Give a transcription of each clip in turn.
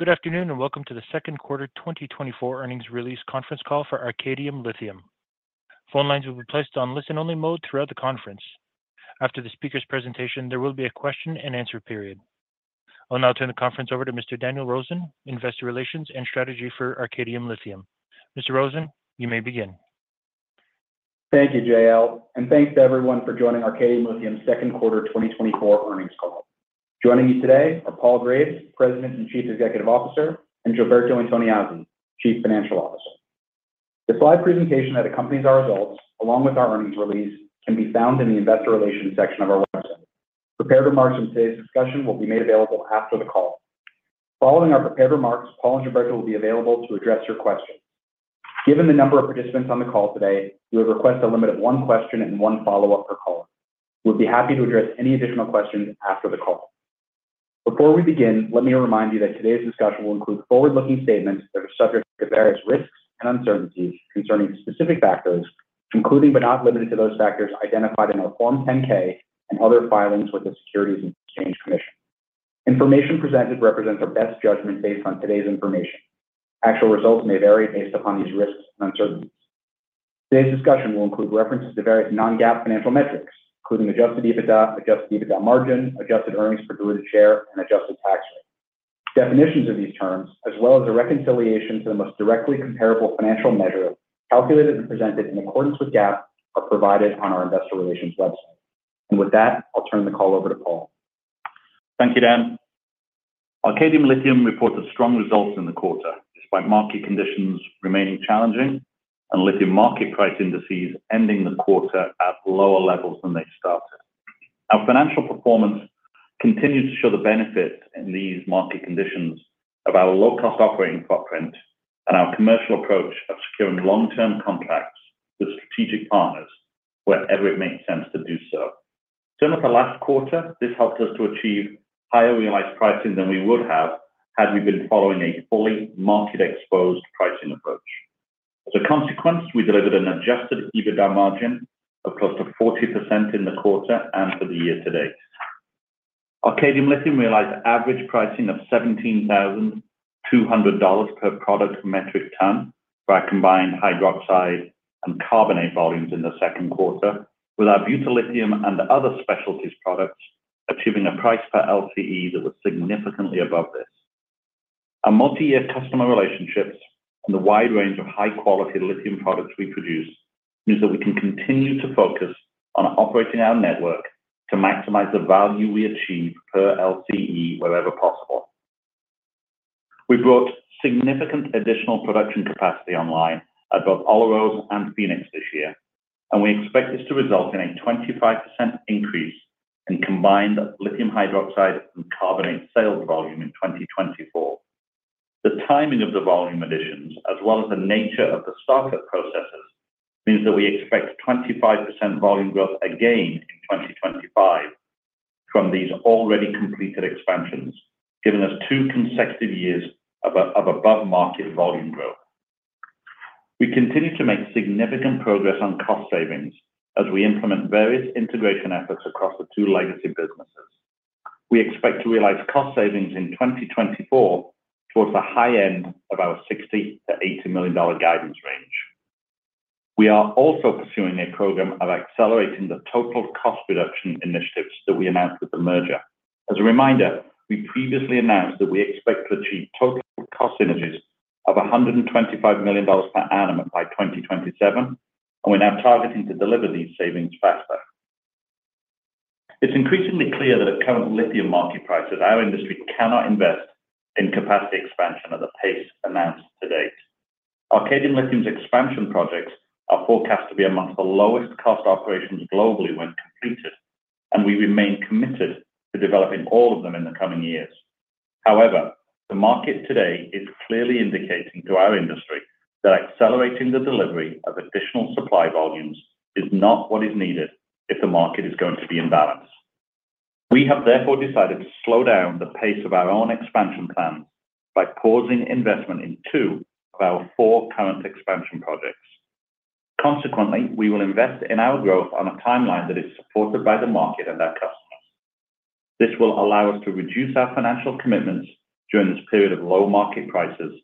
Good afternoon, and welcome to the Q2 2024 Earnings Release Conference Call for Arcadium Lithium. Phone lines will be placed on listen-only mode throughout the conference. After the speaker's presentation, there will be a Q&A period. I'll now turn the conference over to Mr. Daniel Rosen, Investor Relations and Strategy for Arcadium Lithium. Mr. Rosen, you may begin. Thank you, JL, and thanks to everyone for joining Arcadium Lithium's Q2 2024 Earnings Call. Joining me today are Paul Graves, President and Chief Executive Officer, and Gilberto Antoniazzi, Chief Financial Officer. The slide presentation that accompanies our results, along with our earnings release, can be found in the investor relations section of our website. Prepared remarks in today's discussion will be made available after the call. Following our prepared remarks, Paul and Gilberto will be available to address your questions. Given the number of participants on the call today, we would request a limit of one question and one follow-up per caller. We'll be happy to address any additional questions after the call. Before we begin, let me remind you that today's discussion will include forward-looking statements that are subject to various risks and uncertainties concerning specific factors, including but not limited to those factors identified in our Form 10-K and other filings with the Securities and Exchange Commission. Information presented represents our best judgment based on today's information. Actual results may vary based upon these risks and uncertainties. Today's discussion will include references to various non-GAAP financial metrics, including Adjusted EBITDA, Adjusted EBITDA margin, Adjusted earnings per diluted share, and Adjusted tax rate. Definitions of these terms, as well as a reconciliation to the most directly comparable financial measure, calculated and presented in accordance with GAAP, are provided on our investor relations website. With that, I'll turn the call over to Paul. Thank you, Dan. Arcadium Lithium reported strong results in the quarter, despite market conditions remaining challenging and lithium market price indices ending the quarter at lower levels than they started. Our financial performance continues to show the benefit in these market conditions of our low-cost operating footprint and our commercial approach of securing long-term contracts with strategic partners wherever it makes sense to do so. Similar to last quarter, this helped us to achieve higher realized pricing than we would have, had we been following a fully market-exposed pricing approach. As a consequence, we delivered an Adjusted EBITDA margin of close to 40% in the quarter and for the year to date. Arcadium Lithium realized average pricing of $17,200 per product metric ton for our combined hydroxide and carbonate volumes in the Q2, with our Butyllithium and other specialties products achieving a price per LCE that was significantly above this. Our multi-year customer relationships and the wide range of high-quality lithium products we produce, means that we can continue to focus on operating our network to maximize the value we achieve per LCE wherever possible. We brought significant additional production capacity online at both Olaroz and Fénix this year, and we expect this to result in a 25% increase in combined lithium hydroxide and carbonate sales volume in 2024. The timing of the volume additions, as well as the nature of the startup processes, means that we expect 25% volume growth again in 2025 from these already completed expansions, giving us two consecutive years of above-market volume growth. We continue to make significant progress on cost savings as we implement various integration efforts across the two legacy businesses. We expect to realize cost savings in 2024 towards the high end of our $60 million-$80 million guidance range. We are also pursuing a program of accelerating the total cost reduction initiatives that we announced with the merger. As a reminder, we previously announced that we expect to achieve total cost synergies of $125 million per annum by 2027, and we're now targeting to deliver these savings faster. It's increasingly clear that at current lithium market prices, our industry cannot invest in capacity expansion at the pace announced to date. Arcadium Lithium's expansion projects are forecast to be among the lowest cost operations globally when completed, and we remain committed to developing all of them in the coming years. However, the market today is clearly indicating to our industry that accelerating the delivery of additional supply volumes is not what is needed if the market is going to be in balance. We have therefore decided to slow down the pace of our own expansion plans by pausing investment in two of our four current expansion projects. Consequently, we will invest in our growth on a timeline that is supported by the market and our customers. This will allow us to reduce our financial commitments during this period of low market prices,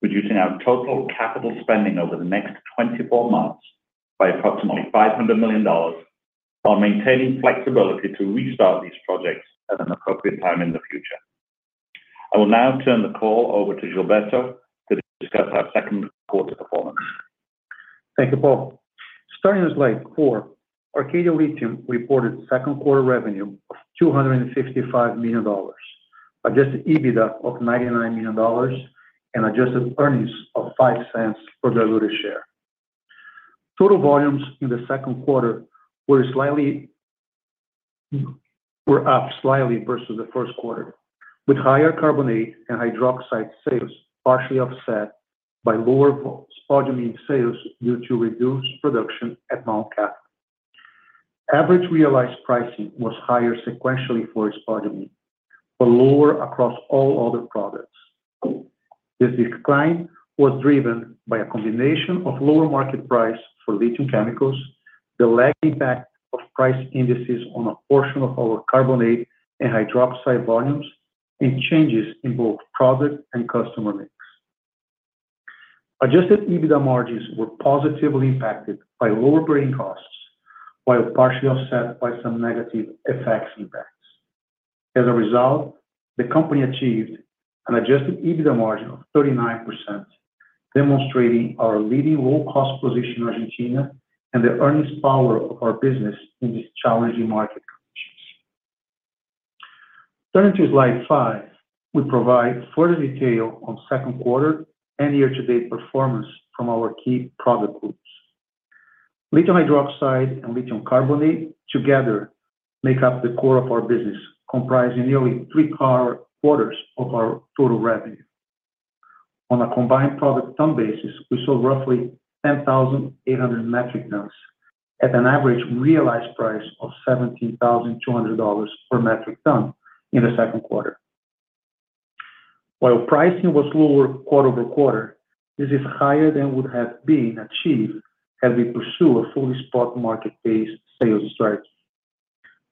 reducing our total capital spending over the next 24 months by approximately $500 million, while maintaining flexibility to restart these projects at an appropriate time in the future. I will now turn the call over to Gilberto to discuss our Q2 performance. Thank you, Paul. Starting with Slide 4, Arcadium Lithium reported Q2 revenue of $255 million, Adjusted EBITDA of $99 million, and adjusted earnings of $0.05 per diluted share. Total volumes in the Q2 were up slightly versus the Q1, with higher carbonate and hydroxide sales, partially offset by lower spodumene sales due to reduced production at Mount Cattlin. Average realized pricing was higher sequentially for spodumene, but lower across all other products. This decline was driven by a combination of lower market price for lithium chemicals, the lag impact of price indices on a portion of our carbonate and hydroxide volumes, and changes in both product and customer mix. Adjusted EBITDA margins were positively impacted by lower grain costs, while partially offset by some negative effects. As a result, the company achieved an adjusted EBITDA margin of 39%, demonstrating our leading low-cost position in Argentina and the earnings power of our business in these challenging market conditions. Turning to Slide 5, we provide further detail on Q2 and year-to-date performance from our key product groups. Lithium hydroxide and lithium carbonate together make up the core of our business, comprising nearly three-quarters of our total revenue. On a combined product ton basis, we sold roughly 10,800 metric tons at an average realized price of $17,200 per metric ton in the Q2. While pricing was lower quarter-over-quarter, this is higher than would have been achieved had we pursue a fully spot market-based sales strategy.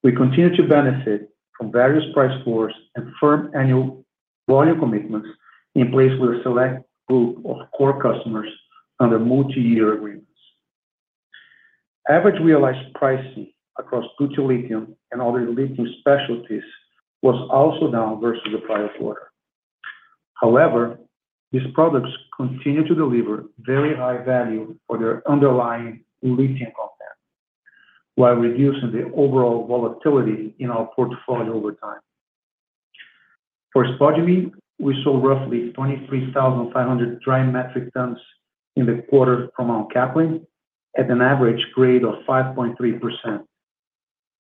We continue to benefit from various price floors and firm annual volume commitments in place with a select group of core customers under multi-year agreements. Average realized pricing across lithium and other lithium specialties was also down versus the prior quarter. However, these products continue to deliver very high value for their underlying lithium content, while reducing the overall volatility in our portfolio over time. For spodumene, we sold roughly 23,500 dry metric tons in the quarter from Mount Cattlin at an average grade of 5.3%.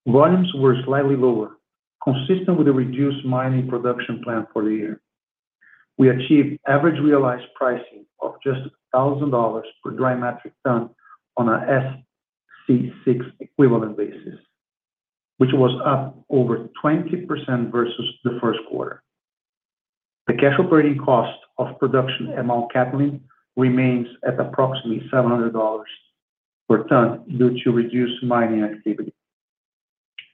Volumes were slightly lower, consistent with the reduced mining production plan for the year. We achieved average realized pricing of just $1,000 per dry metric ton on our SC6 equivalent basis, which was up over 20% versus the Q1. The cash operating cost of production at Mount Cattlin remains at approximately $700 per ton due to reduced mining activity.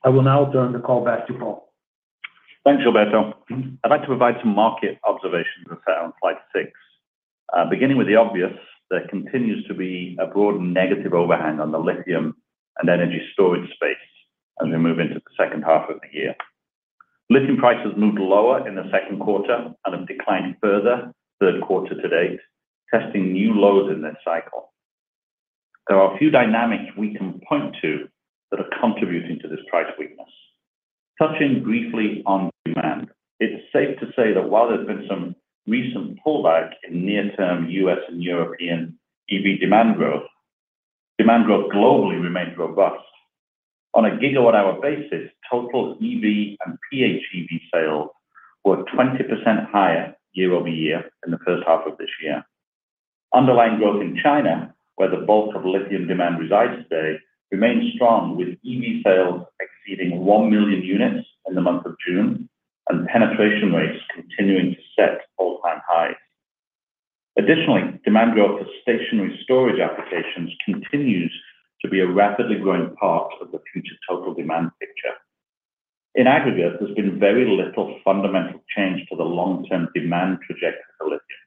I will now turn the call back to Paul. Thanks, Gilberto. I'd like to provide some market observations that are on Slide 6. Beginning with the obvious, there continues to be a broad negative overhang on the lithium and energy storage space as we move into the H2 of the year. Lithium prices moved lower in the Q2 and have declined further Q3 to date, testing new lows in this cycle. There are a few dynamics we can point to that are contributing to this price weakness. Touching briefly on demand, it's safe to say that while there's been some recent pullback in near-term U.S. and European EV demand growth, demand growth globally remains robust. On a gigawatt hour basis, total EV and PHEV sales were 20% higher year-over-year in the H1 of this year. Underlying growth in China, where the bulk of lithium demand resides today, remains strong, with EV sales exceeding 1 million units in the month of June and penetration rates continuing to set all-time highs. Additionally, demand growth for stationary storage applications continues to be a rapidly growing part of the future total demand picture. In aggregate, there's been very little fundamental change to the long-term demand trajectory for lithium,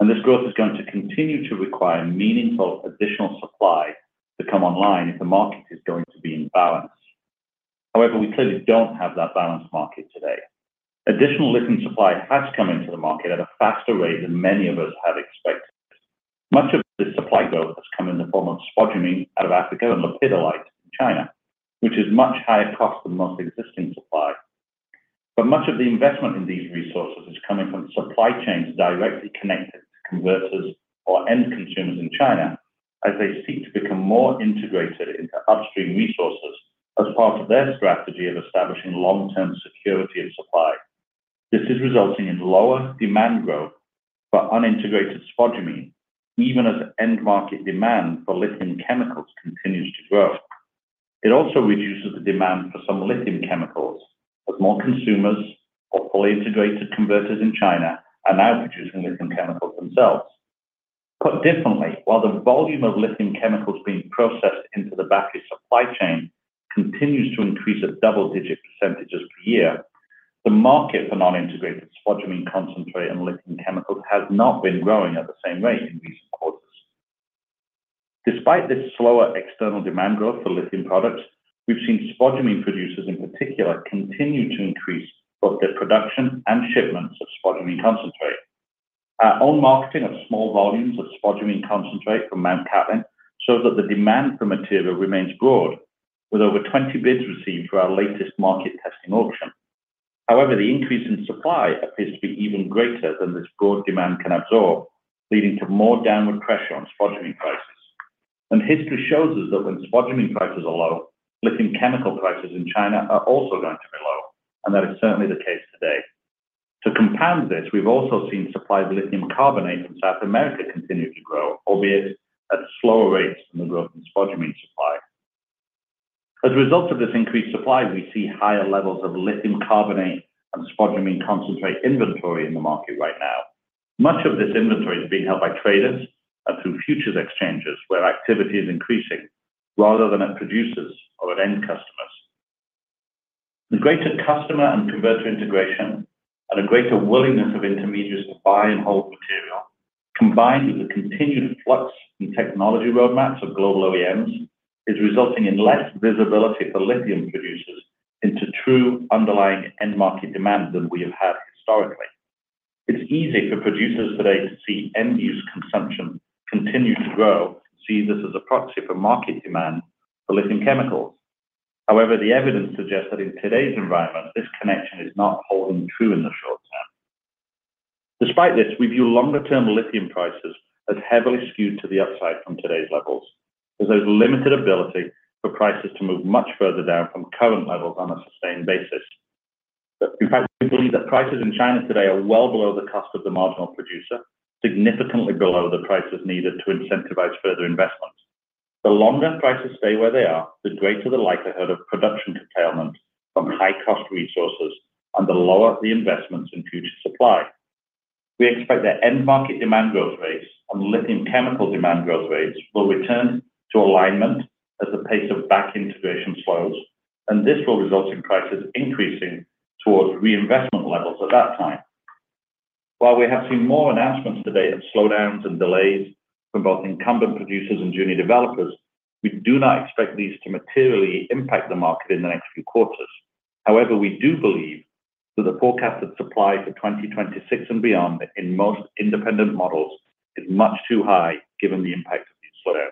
and this growth is going to continue to require meaningful additional supply to come online if the market is going to be in balance. However, we clearly don't have that balanced market today. Additional lithium supply has come into the market at a faster rate than many of us had expected. Much of this supply growth has come in the form of spodumene out of Africa and lepidolite in China, which is much higher cost than most existing supply. But much of the investment in these resources is coming from supply chains directly connected to converters or end consumers in China, as they seek to become more integrated into upstream resources as part of their strategy of establishing long-term security of supply. This is resulting in lower demand growth for unintegrated spodumene, even as end-market demand for lithium chemicals continues to grow. It also reduces the demand for some lithium chemicals, as more consumers or fully integrated converters in China are now producing lithium chemicals themselves. Put differently, while the volume of lithium chemicals being processed into the battery supply chain continues to increase at double-digit percentages per year, the market for non-integrated spodumene concentrate and lithium chemicals has not been growing at the same rate in recent quarters. Despite this slower external demand growth for lithium products, we've seen spodumene producers, in particular, continue to increase both their production and shipments of spodumene concentrate. Our own marketing of small volumes of spodumene concentrate from Mount Cattlin shows that the demand for material remains broad, with over 20 bids received for our latest market testing auction. However, the increase in supply appears to be even greater than this broad demand can absorb, leading to more downward pressure on spodumene prices. History shows us that when spodumene prices are low, lithium chemical prices in China are also going to be low, and that is certainly the case today. To compound this, we've also seen supply of lithium carbonate in South America continue to grow, albeit at slower rates than the growth in spodumene supply. As a result of this increased supply, we see higher levels of lithium carbonate and spodumene concentrate inventory in the market right now. Much of this inventory is being held by traders and through futures exchanges, where activity is increasing, rather than at producers or at end customers. The greater customer and converter integration and a greater willingness of intermediaries to buy and hold material, combined with the continued flux in technology roadmaps of global OEMs, is resulting in less visibility for lithium producers into true underlying end market demand than we have had historically. It's easy for producers today to see end use consumption continue to grow and see this as a proxy for market demand for lithium chemicals. However, the evidence suggests that in today's environment, this connection is not holding true in the short term. Despite this, we view longer-term lithium prices as heavily skewed to the upside from today's levels, as there's limited ability for prices to move much further down from current levels on a sustained basis. But in fact, we believe that prices in China today are well below the cost of the marginal producer, significantly below the prices needed to incentivize further investment. The longer prices stay where they are, the greater the likelihood of production curtailment from high cost resources and the lower the investments in future supply. We expect that end market demand growth rates and lithium chemical demand growth rates will return to alignment as the pace of back integration slows, and this will result in prices increasing towards reinvestment levels at that time. While we have seen more announcements today of slowdowns and delays from both incumbent producers and junior developers, we do not expect these to materially impact the market in the next few quarters. However, we do believe that the forecasted supply for 2026 and beyond in most independent models is much too high, given the impact of these slowdowns.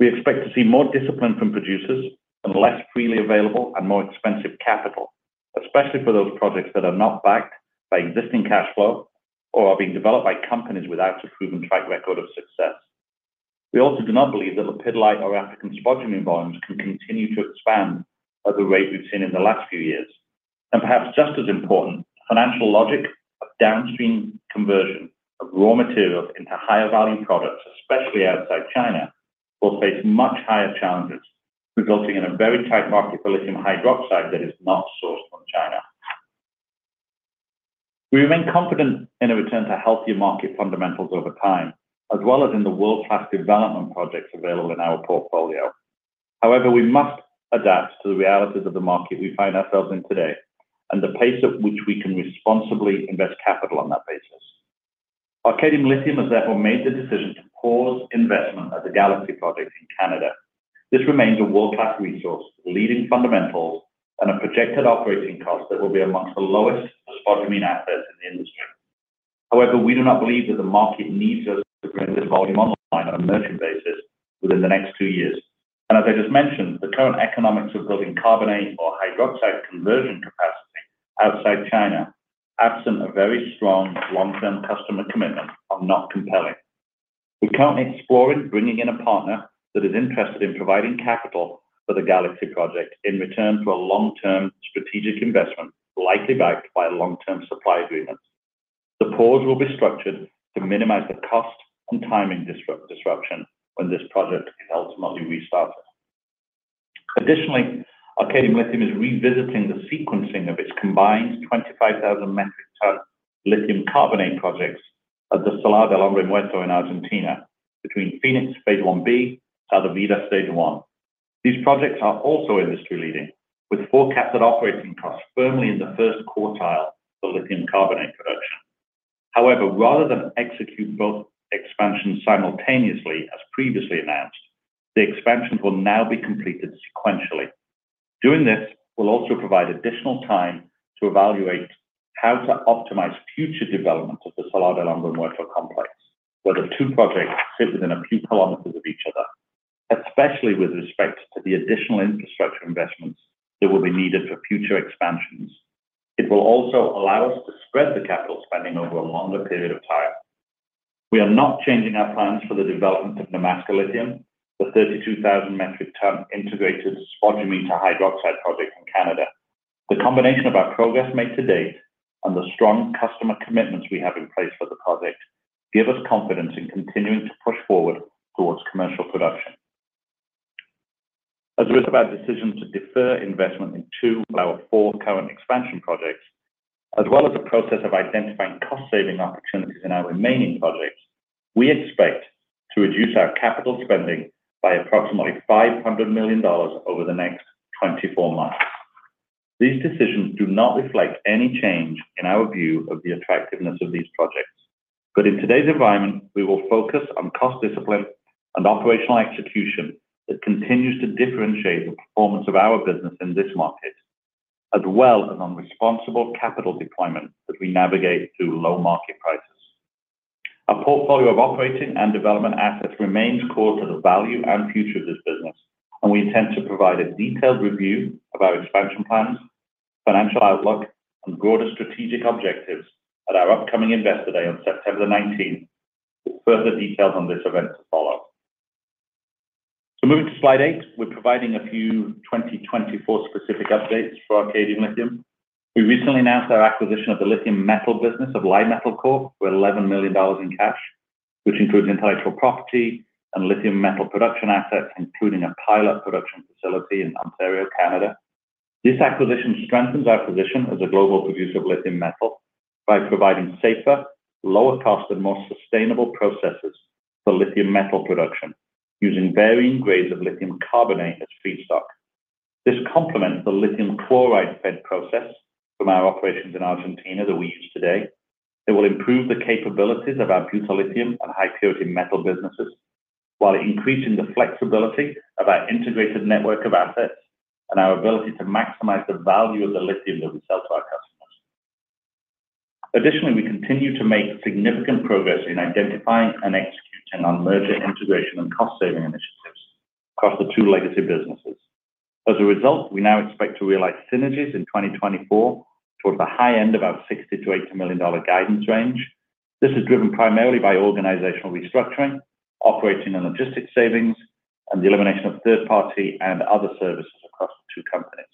We expect to see more discipline from producers and less freely available and more expensive capital, especially for those projects that are not backed by existing cash flow or are being developed by companies without a proven track record of success. We also do not believe that Lepidolite or African Spodumene volumes can continue to expand at the rate we've seen in the last few years. Perhaps just as important, financial logic of downstream conversion of raw materials into higher value products, especially outside China, will face much higher challenges, resulting in a very tight market for lithium hydroxide that is not sourced from China. We remain confident in a return to healthier market fundamentals over time, as well as in the world-class development projects available in our portfolio. However, we must adapt to the realities of the market we find ourselves in today, and the pace at which we can responsibly invest capital on that basis. Arcadium Lithium has therefore made the decision to pause investment at the Galaxy project in Canada. This remains a world-class resource, leading fundamentals and a projected operating cost that will be among the lowest spodumene assets in the industry. However, we do not believe that the market needs us to bring this volume online on a merchant basis within the next two years. And as I just mentioned, the current economics of building carbonate or hydroxide conversion capacity outside China, absent a very strong long-term customer commitment, are not compelling. We're currently exploring bringing in a partner that is interested in providing capital for the Galaxy project in return for a long-term strategic investment, likely backed by long-term supply agreements. The pause will be structured to minimize the cost and timing disruption when this project is ultimately restarted. Additionally, Arcadium Lithium is revisiting the sequencing of its combined 25,000 metric ton lithium carbonate projects at the Salar de Hombre Muerto in Argentina between Fénix Phase 1B, Sal de Vida Stage 1. These projects are also industry-leading, with forecasted operating costs firmly in the first quartile for lithium carbonate production. However, rather than execute both expansions simultaneously as previously announced, the expansions will now be completed sequentially. Doing this will also provide additional time to evaluate how to optimize future development of the Salar de Hombre Muerto complex, where the two projects sit within a few kilometers of each other, especially with respect to the additional infrastructure investments that will be needed for future expansions. It will also allow us to spread the capital spending over a longer period of time. We are not changing our plans for the development of Nemaska Lithium, the 32,000 metric ton integrated spodumene to hydroxide project in Canada. The combination of our progress made to date and the strong customer commitments we have in place for the project, give us confidence in continuing to push forward towards commercial production. As a result of our decision to defer investment in two of our four current expansion projects, as well as the process of identifying cost-saving opportunities in our remaining projects, we expect to reduce our capital spending by approximately $500 million over the next 24 months. These decisions do not reflect any change in our view of the attractiveness of these projects. But in today's environment, we will focus on cost discipline and operational execution that continues to differentiate the performance of our business in this market, as well as on responsible capital deployment as we navigate through low market prices. Our portfolio of operating and development assets remains core to the value and future of this business, and we intend to provide a detailed review of our expansion plans, financial outlook, and broader strategic objectives at our upcoming Investor Day on September 19th, with further details on this event to follow. So moving to Slide 8, we're providing a few 2024 specific updates for Arcadium Lithium. We recently announced our acquisition of the lithium metal business of Li-Metal Corp for $11 million in cash, which includes intellectual property and lithium metal production assets, including a pilot production facility in Ontario, Canada. This acquisition strengthens our position as a global producer of lithium metal by providing safer, lower cost, and more sustainable processes for lithium metal production, using varying grades of lithium carbonate as feedstock. This complements the lithium chloride-fed process from our operations in Argentina that we use today. It will improve the capabilities of our Butyllithium and high-purity metal businesses, while increasing the flexibility of our integrated network of assets and our ability to maximize the value of the lithium that we sell to our customers. Additionally, we continue to make significant progress in identifying and executing on merger integration and cost-saving initiatives across the two legacy businesses. As a result, we now expect to realize synergies in 2024 towards the high end of our $60 million-$80 million guidance range. This is driven primarily by organizational restructuring, operating and logistics savings, and the elimination of third-party and other services across the two companies.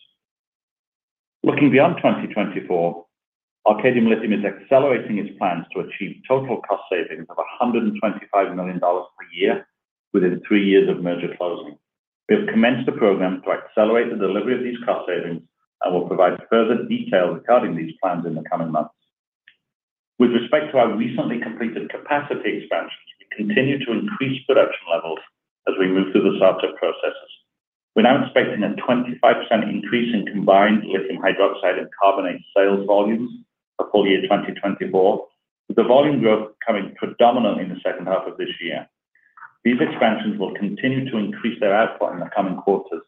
Looking beyond 2024, Arcadium Lithium is accelerating its plans to achieve total cost savings of $125 million per year within 3 years of merger closing. We have commenced a program to accelerate the delivery of these cost savings and will provide further details regarding these plans in the coming months. With respect to our recently completed capacity expansions, we continue to increase production levels as we move through the startup processes. We're now expecting a 25% increase in combined lithium hydroxide and carbonate sales volumes for full year 2024, with the volume growth coming predominantly in the H2 of this year. These expansions will continue to increase their output in the coming quarters,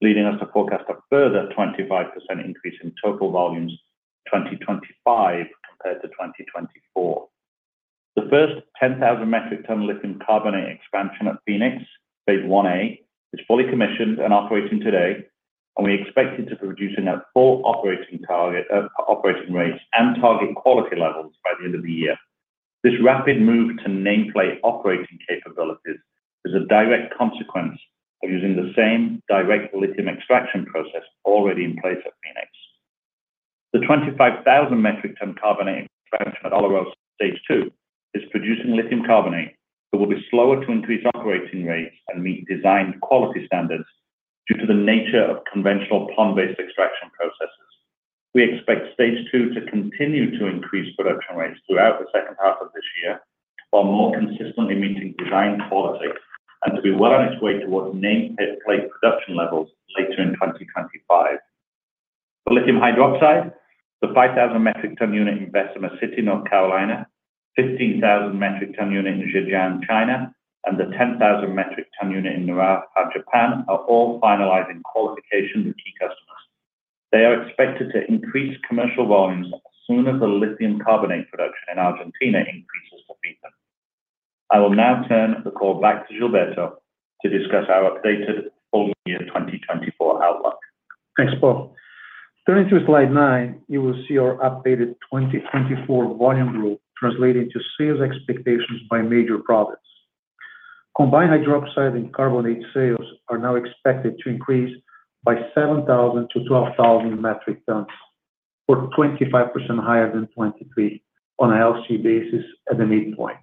leading us to forecast a further 25% increase in total volumes in 2025 compared to 2024. The first 10,000 metric ton lithium carbonate expansion at Fénix, phase 1A, is fully commissioned and operating today, and we expect it to be producing at full operating target, operating rates and target quality levels by the end of the year. This rapid move to nameplate operating capabilities is a direct consequence of using the same direct lithium extraction process already in place at Fénix. The 25,000 metric ton carbonate expansion at Olaroz stage 2 is producing lithium carbonate, but will be slower to increase operating rates and meet design quality standards due to the nature of conventional pond-based extraction processes. We expect stage 2 to continue to increase production rates throughout the H2 of this year, while more consistently meeting design quality and to be well on its way towards nameplate production levels later in 2025. For lithium hydroxide, the 5,000 metric ton unit in Bessemer City, North Carolina, 15,000 metric ton unit in Zhejiang, China, and the 10,000 metric ton unit in Naraha, Japan, are all finalizing qualification with key customers. They are expected to increase commercial volumes as soon as the lithium carbonate production in Argentina increases to feed them. I will now turn the call back to Gilberto to discuss our updated full-year 2024 outlook. Thanks, Paul. Turning to Slide 9, you will see our updated 2024 volume growth translating to sales expectations by major products. Combined hydroxide and carbonate sales are now expected to increase by 7,000-12,000 metric tons, or 25% higher than 2023 on an LC basis at the midpoint.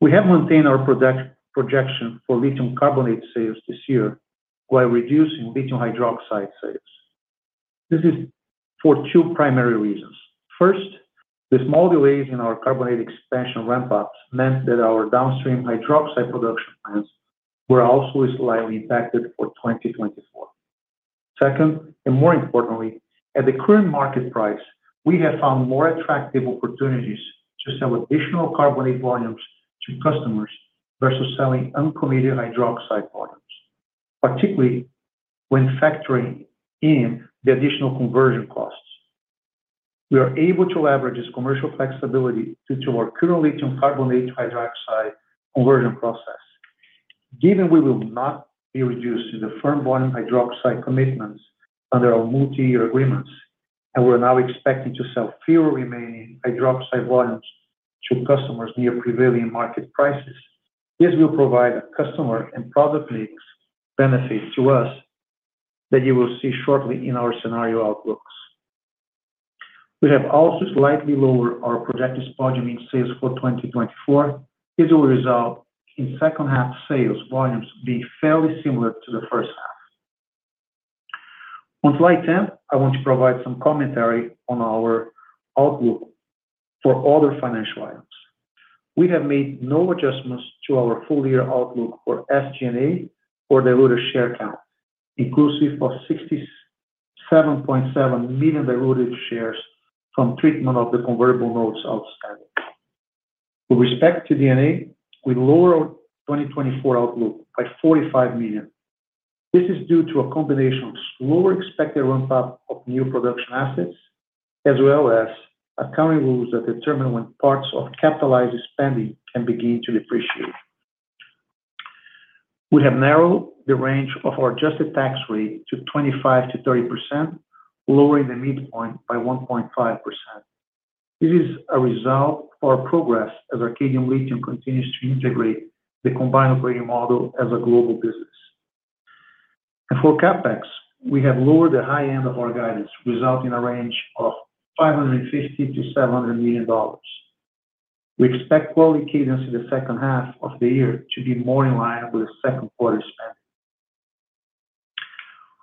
We have maintained our projection for lithium carbonate sales this year while reducing lithium hydroxide sales. This is for two primary reasons. First, the small delays in our carbonate expansion ramp-ups meant that our downstream hydroxide production plans were also slightly impacted for 2024. Second, and more importantly, at the current market price, we have found more attractive opportunities to sell additional carbonate volumes to customers versus selling uncommitted hydroxide volumes, particularly when factoring in the additional conversion costs. We are able to leverage this commercial flexibility due to our current lithium carbonate hydroxide conversion process. Given we will not be reduced to the firm volume hydroxide commitments under our multi-year agreements, and we're now expecting to sell fewer remaining hydroxide volumes to customers near prevailing market prices, this will provide a customer and product mix benefit to us that you will see shortly in our scenario outlooks. We have also slightly lowered our projected spodumene sales for 2024. This will result in H2 sales volumes being fairly similar to the H1. On Slide 10, I want to provide some commentary on our outlook for other financial items. We have made no adjustments to our full year outlook for SG&A or diluted share count, inclusive of 67.7 million diluted shares from treatment of the convertible notes outstanding. With respect to D&A, we lowered our 2024 outlook by $45 million. This is due to a combination of slower expected ramp-up of new production assets, as well as accounting rules that determine when parts of capitalized spending can begin to depreciate. We have narrowed the range of our adjusted tax rate to 25%-30%, lowering the midpoint by 1.5%. This is a result of our progress as Arcadium Lithium continues to integrate the combined operating model as a global business. For CapEx, we have lowered the high end of our guidance, resulting in a range of $550 million-$700 million. We expect CapEx cadence in the H2 of the year to be more in line with the Q2 spending.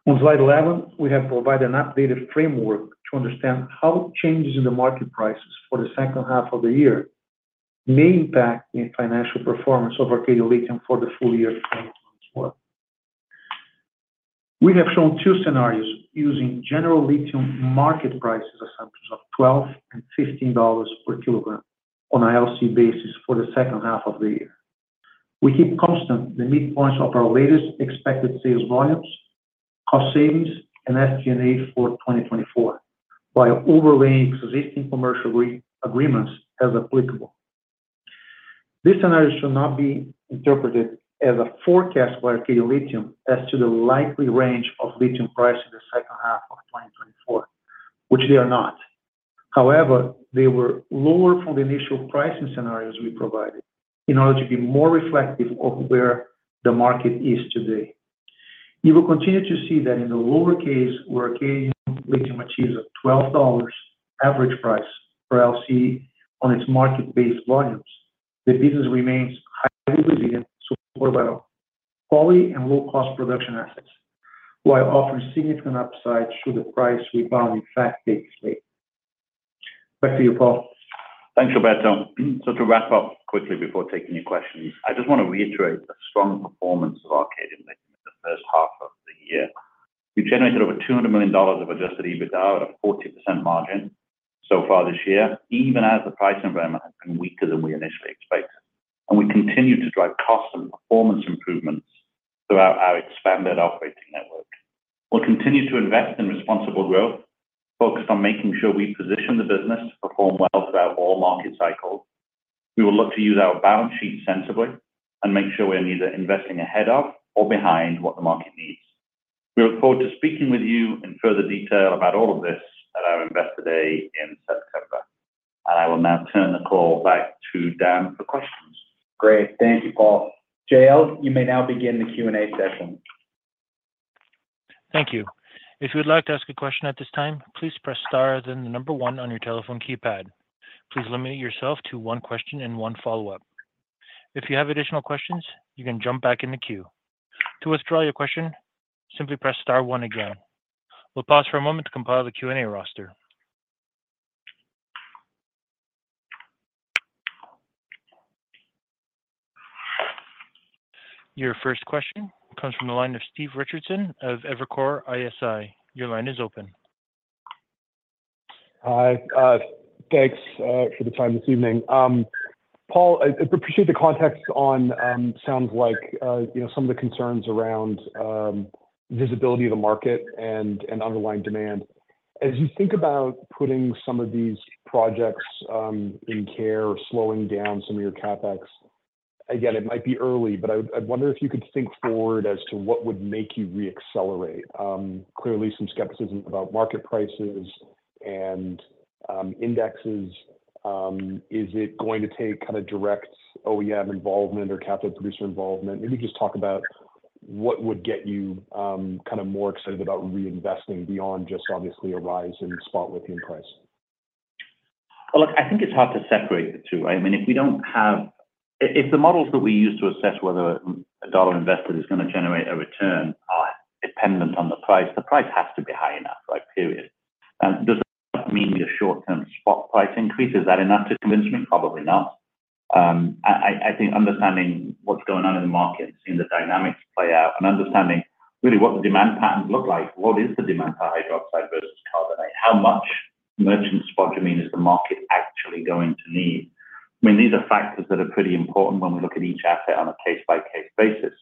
On Slide 11, we have provided an updated framework to understand how changes in the market prices for the H2 of the year may impact the financial performance of Arcadium Lithium for the full year of 2024. We have shown two scenarios using general lithium market prices assumptions of $12 and $15 per kilogram on an LC basis for the H2 of the year. We keep constant the midpoints of our latest expected sales volumes, cost savings, and SG&A for 2024, while overlaying existing commercial re-agreements as applicable. This scenario should not be interpreted as a forecast by Arcadium Lithium as to the likely range of lithium price in the H2 of 2024, which they are not. However, they were lower from the initial pricing scenarios we provided in order to be more reflective of where the market is today. You will continue to see that in the low case, where Arcadium Lithium achieves a $12 average price per LC on its market-based volumes, the business remains highly resilient, supported by our and low-cost production assets, while offering significant upside should the price rebound in fact take place. Back to you, Paul. Thanks, Roberto. To wrap up quickly before taking your questions, I just want to reiterate the strong performance of Arcadium Lithium in the H1 of the year. We've generated over $200 million of Adjusted EBITDA at a 40% margin so far this year, even as the price environment has been weaker than we initially expected, and we continue to drive cost and performance improvements throughout our expanded operating network. We'll continue to invest in responsible growth, focused on making sure we position the business to perform well throughout all market cycles. We will look to use our balance sheet sensibly and make sure we are neither investing ahead of or behind what the market needs. We look forward to speaking with you in further detail about all of this at our Investor Day in September, and I will now turn the call back to Dan for questions. Great. Thank you, Paul. JL, you may now begin the Q&A session. Thank you. If you would like to ask a question at this time, please press star, then the number one on your telephone keypad. Please limit yourself to one question and one follow-up. If you have additional questions, you can jump back in the queue. To withdraw your question, simply press star one again. We'll pause for a moment to compile the Q&A roster. Your first question comes from the line of Steve Richardson of Evercore ISI. Your line is open. Hi, thanks for the time this evening. Paul, I appreciate the context on sounds like you know some of the concerns around visibility of the market and underlying demand. As you think about putting some of these projects in care or slowing down some of your CapEx, again, it might be early, but I wonder if you could think forward as to what would make you reaccelerate. Clearly some skepticism about market prices and indexes. Is it going to take direct OEM involvement or capital producer involvement? Maybe just talk about what would get you more excited about reinvesting beyond just obviously a rise in spot lithium price. Well, look, I think it's hard to separate the two, right? I mean, if we don't have, if the models that we use to assess whether a dollar invested is going to generate a return are dependent on the price, the price has to be high enough, like period. Does it mean your short-term spot price increase? Is that enough to convince me? Probably not. I think understanding what's going on in the markets, seeing the dynamics play out and understanding really what the demand patterns look like, what is the demand for hydroxide versus carbonate, how much merchant spodumene is the market actually going to need? I mean, these are factors that are pretty important when we look at each asset on a case-by-case basis.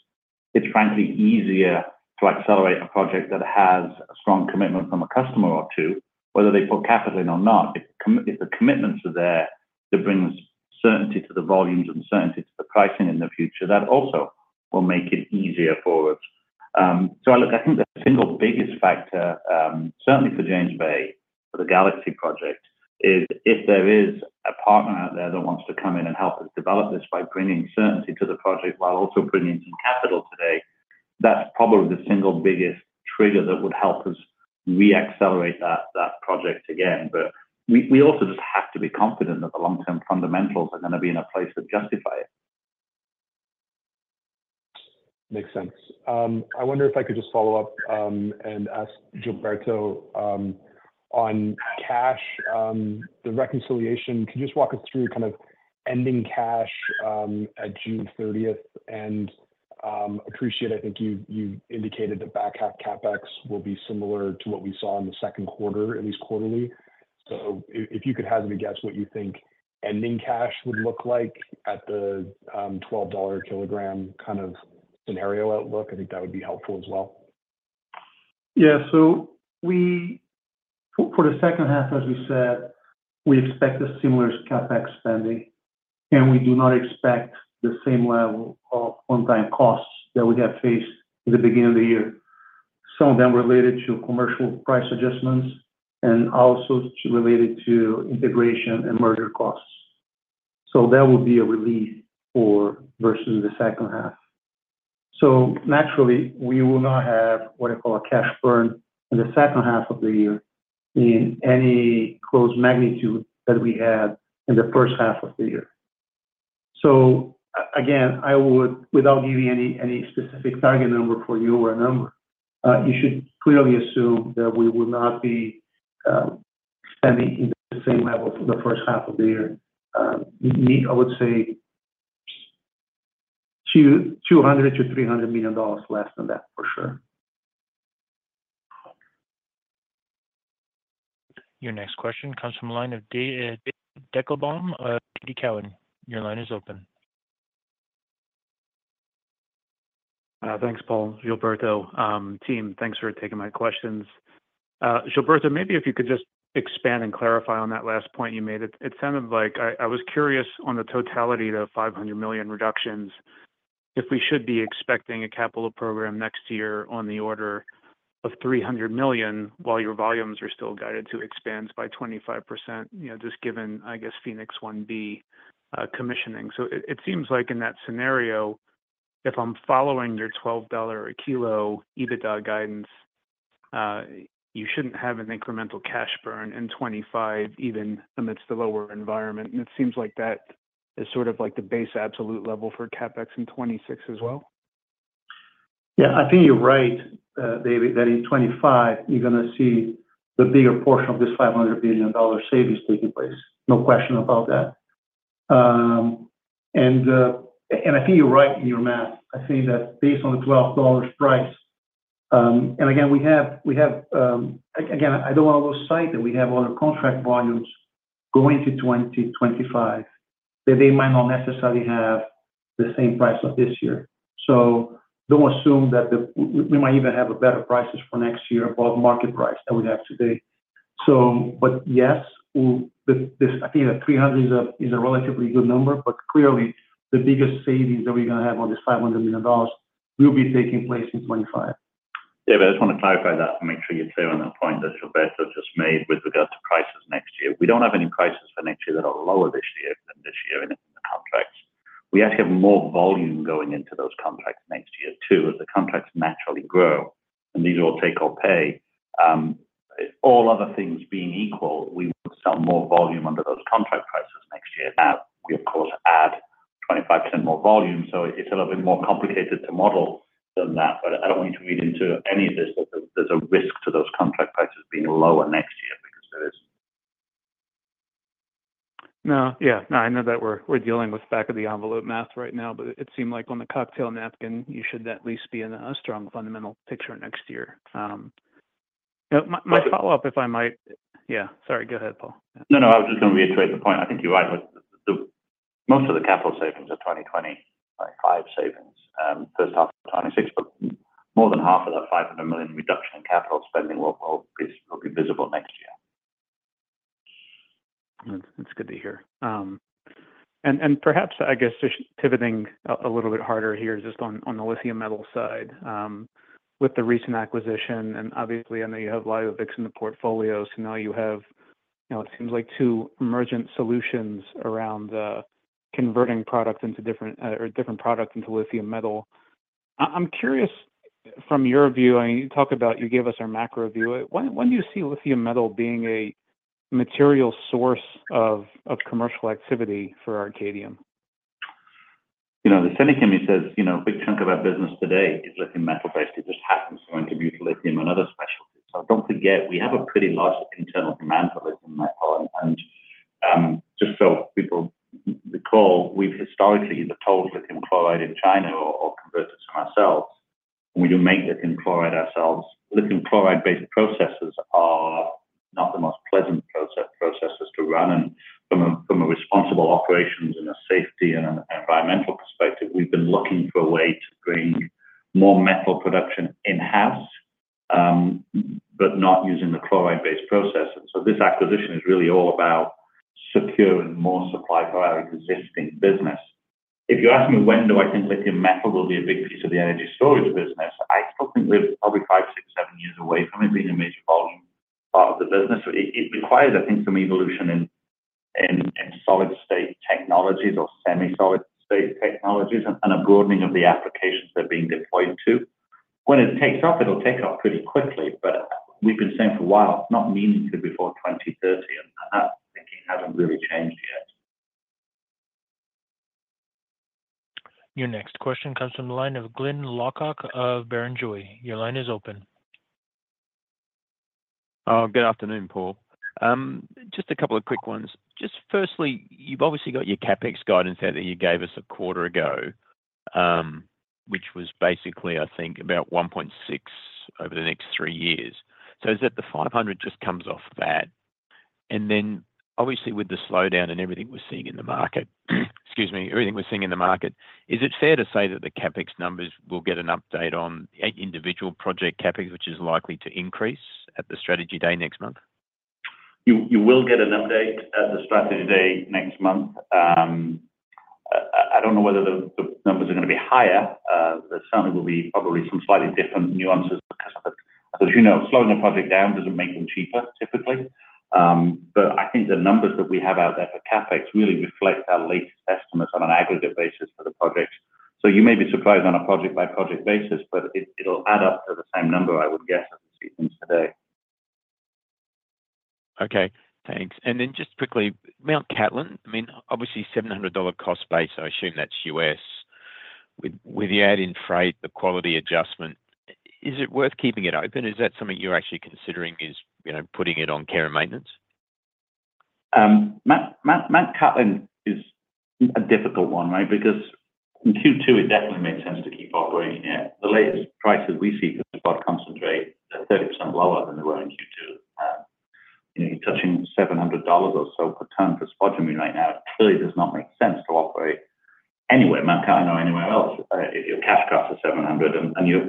It's frankly easier to accelerate a project that has a strong commitment from a customer or two, whether they put capital in or not. If the commitments are there, it brings certainty to the volumes and certainty to the pricing in the future, that also will make it easier for us. So look, I think the single biggest factor, certainly for James Bay, for the Galaxy project, is if there is a partner out there that wants to come in and help us develop this by bringing certainty to the project while also bringing in some capital today, that's probably the single biggest trigger that would help us reaccelerate that, that project again. But we, we also just have to be confident that the long-term fundamentals are going to be in a place that justify it. Makes sense. I wonder if I could just follow up, and ask Gilberto, on cash, the reconciliation. Can you just walk us through ending cash, at June 30? And appreciate, I think you, you indicated the back half CapEx will be similar to what we saw in the Q2, at least quarterly. So if you could hazard a guess, what you think ending cash would look like at the $12 kilogram scenario outlook, I think that would be helpful as well. So for the H2, as we said, we expect a similar CapEx spending, and we do not expect the same level of one-time costs that we have faced in the beginning of the year. Some of them related to commercial price adjustments and also related to integration and merger costs. So that will be a relief versus the H2. So naturally, we will not have what I call a cash burn in the H2 of the year in any close magnitude that we had in the H1 of the year. So again, I would, without giving any specific target number for you or a number, you should clearly assume that we will not be spending in the same level as the H1 of the year. I would say, $200 million-$300 million less than that, for sure. Your next question comes from the line of David Deckelbaum of TD Cowen. Your line is open. Thanks, Paul. Gilberto, team, thanks for taking my questions. Gilberto, maybe if you could just expand and clarify on that last point you made. It sounded like I was curious on the totality of $500 million reductions, if we should be expecting a capital program next year on the order of $300 million, while your volumes are still guided to expand by 25%, you know, just given, Fénix 1B commissioning. So it seems like in that scenario, if I'm following your $12 a kilo EBITDA guidance, you shouldn't have an incremental cash burn in 2025, even amidst the lower environment. And it seems like that is like the base absolute level for CapEx in 2026 as well? You're right, David, that in 2025, you're going to see the bigger portion of this $500 billion savings taking place. No question about that. And, I think you're right in your math. I think that based on the $12 price and again, we have, we have, again, I don't want to cite that we have all the contract volumes going to 2025, that they might not necessarily have the same price of this year. So don't assume that the—we, we might even have a better prices for next year above market price than we have today. But yes, this, I think that 300 is a relatively good number, but clearly, the biggest savings that we're going to have on this $500 million will be taking place in 2025. But I just want to clarify that to make sure you're clear on the point that Gilberto just made with regards to prices next year. We don't have any prices for next year that are lower this year, than this year in the contracts. We actually have more volume going into those contracts next year, too, as the contracts naturally grow, and these are all take or pay. All other things being equal, we will sell more volume under those contract prices next year. Now, we of course add 25% more volume, so it's a little bit more complicated to model than that. But I don't want you to read into any of this, that there's a risk to those contract prices being lower next year because there is- No, I know that we're dealing with back-of-the-envelope math right now, but it seemed like on the cocktail napkin, you should at least be in a strong fundamental picture next year. Now my follow-up, if I might. Sorry. Go ahead, Paul. No, no, I was just going to reiterate the point. I think you're right with the—most of the capital savings are 2025 savings, H1 of 2026, but more than half of that $500 million reduction in capital spending will be visible next year. That's good to hear and perhaps, just pivoting a little bit harder here, just on, on the lithium metal side, with the recent acquisition, and obviously, I know you have LioVix in the portfolio, so now you have, you know, it seems like two emergent solutions around the converting products into different, or different products into lithium metal. I'm curious from your view, I know you talked about you gave us our macro view. Why, why do you see lithium metal being a material source of, of commercial activity for Arcadium? The semi chem says, a big chunk of our business today is lithium metal-based. It just happens to went to butyllithium and other specialties. So don't forget, we have a pretty large internal demand for lithium metal. And just so people recall, we've historically the total lithium chloride in China or converted to ourselves, we do make lithium chloride ourselves. Lithium chloride-based processes are not the most pleasant processes to run, and from a responsible operations and a safety and an environmental perspective, we've been looking for a way to bring more metal production in-house, but not using the chloride-based processes. So this acquisition is really all about securing more supply for our existing business. If you ask me, when do I think lithium metal will be a big piece of the energy storage business? I still think we're probably five, six, seven years away from it being a major volume part of the business. It requires, I think, some evolution in solid state technologies or semi-solid state technologies and a broadening of the applications they're being deployed to. When it takes off, it'll take off pretty quickly, but we've been saying for a while, not meaning to before 2030, and that thinking hasn't really changed yet. Your next question comes from the line of Glyn Lawcock of Barrenjoey. Your line is open. Oh, good afternoon, Paul. Just a couple of quick ones. Just firstly, you've obviously got your CapEx guidance out that you gave us a quarter ago, which was basically, I think about $1.6 over the next three years. So is that the $500 just comes off that? And then, obviously, with the slowdown and everything we're seeing in the market, excuse me, everything we're seeing in the market, is it fair to say that the CapEx numbers will get an update on individual project CapEx, which is likely to increase at the strategy day next month? You will get an update at the strategy day next month. I don't know whether the numbers are gonna be higher. There certainly will be probably some slightly different nuances because, as you know, slowing the project down doesn't make them cheaper, typically. But I think the numbers that we have out there for CapEx really reflect our latest estimates on an aggregate basis for the projects. So you may be surprised on a project-by-project basis, but it'll add up to the same number, I would guess, as we see them today. Okay, thanks. And then just quickly, Mount Cattlin, I mean, obviously, $700 cost base, I assume that's U.S. With the add-in freight, the quality adjustment, is it worth keeping it open? Is that something you're actually considering, is, you know, putting it on care and maintenance? Mount Cattlin is a difficult one, right? Because in Q2, it definitely made sense to keep operating it. The latest prices we see for the spot concentrate, they're 30% lower than they were in Q2. You know, you're touching $700 or so per ton for spodumene right now. It clearly does not make sense to operate anywhere, Mount Cattlin or anywhere else, if your cash costs are $700. And you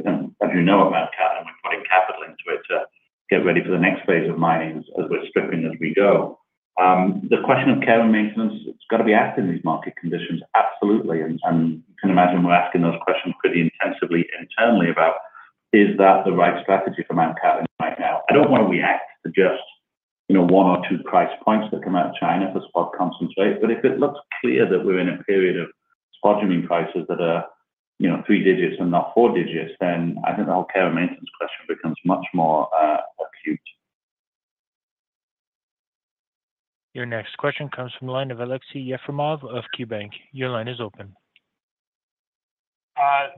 know, at Mount Cattlin, we're putting capital into it to get ready for the next phase of mining as we're stripping as we go. The question of care and maintenance, it's got to be asked in these market conditions, absolutely. And you can imagine we're asking those questions pretty intensively internally about, is that the right strategy for Mount Cattlin right now? I don't want to react to just, you know, one or two price points that come out of China for spot concentrate, but if it looks clear that we're in a period of spodumene prices that are, you know, three digits and not four digits, then I think the whole care and maintenance question becomes much more acute. Your next question comes from the line of Alexei Efremov of KeyBank. Your line is open.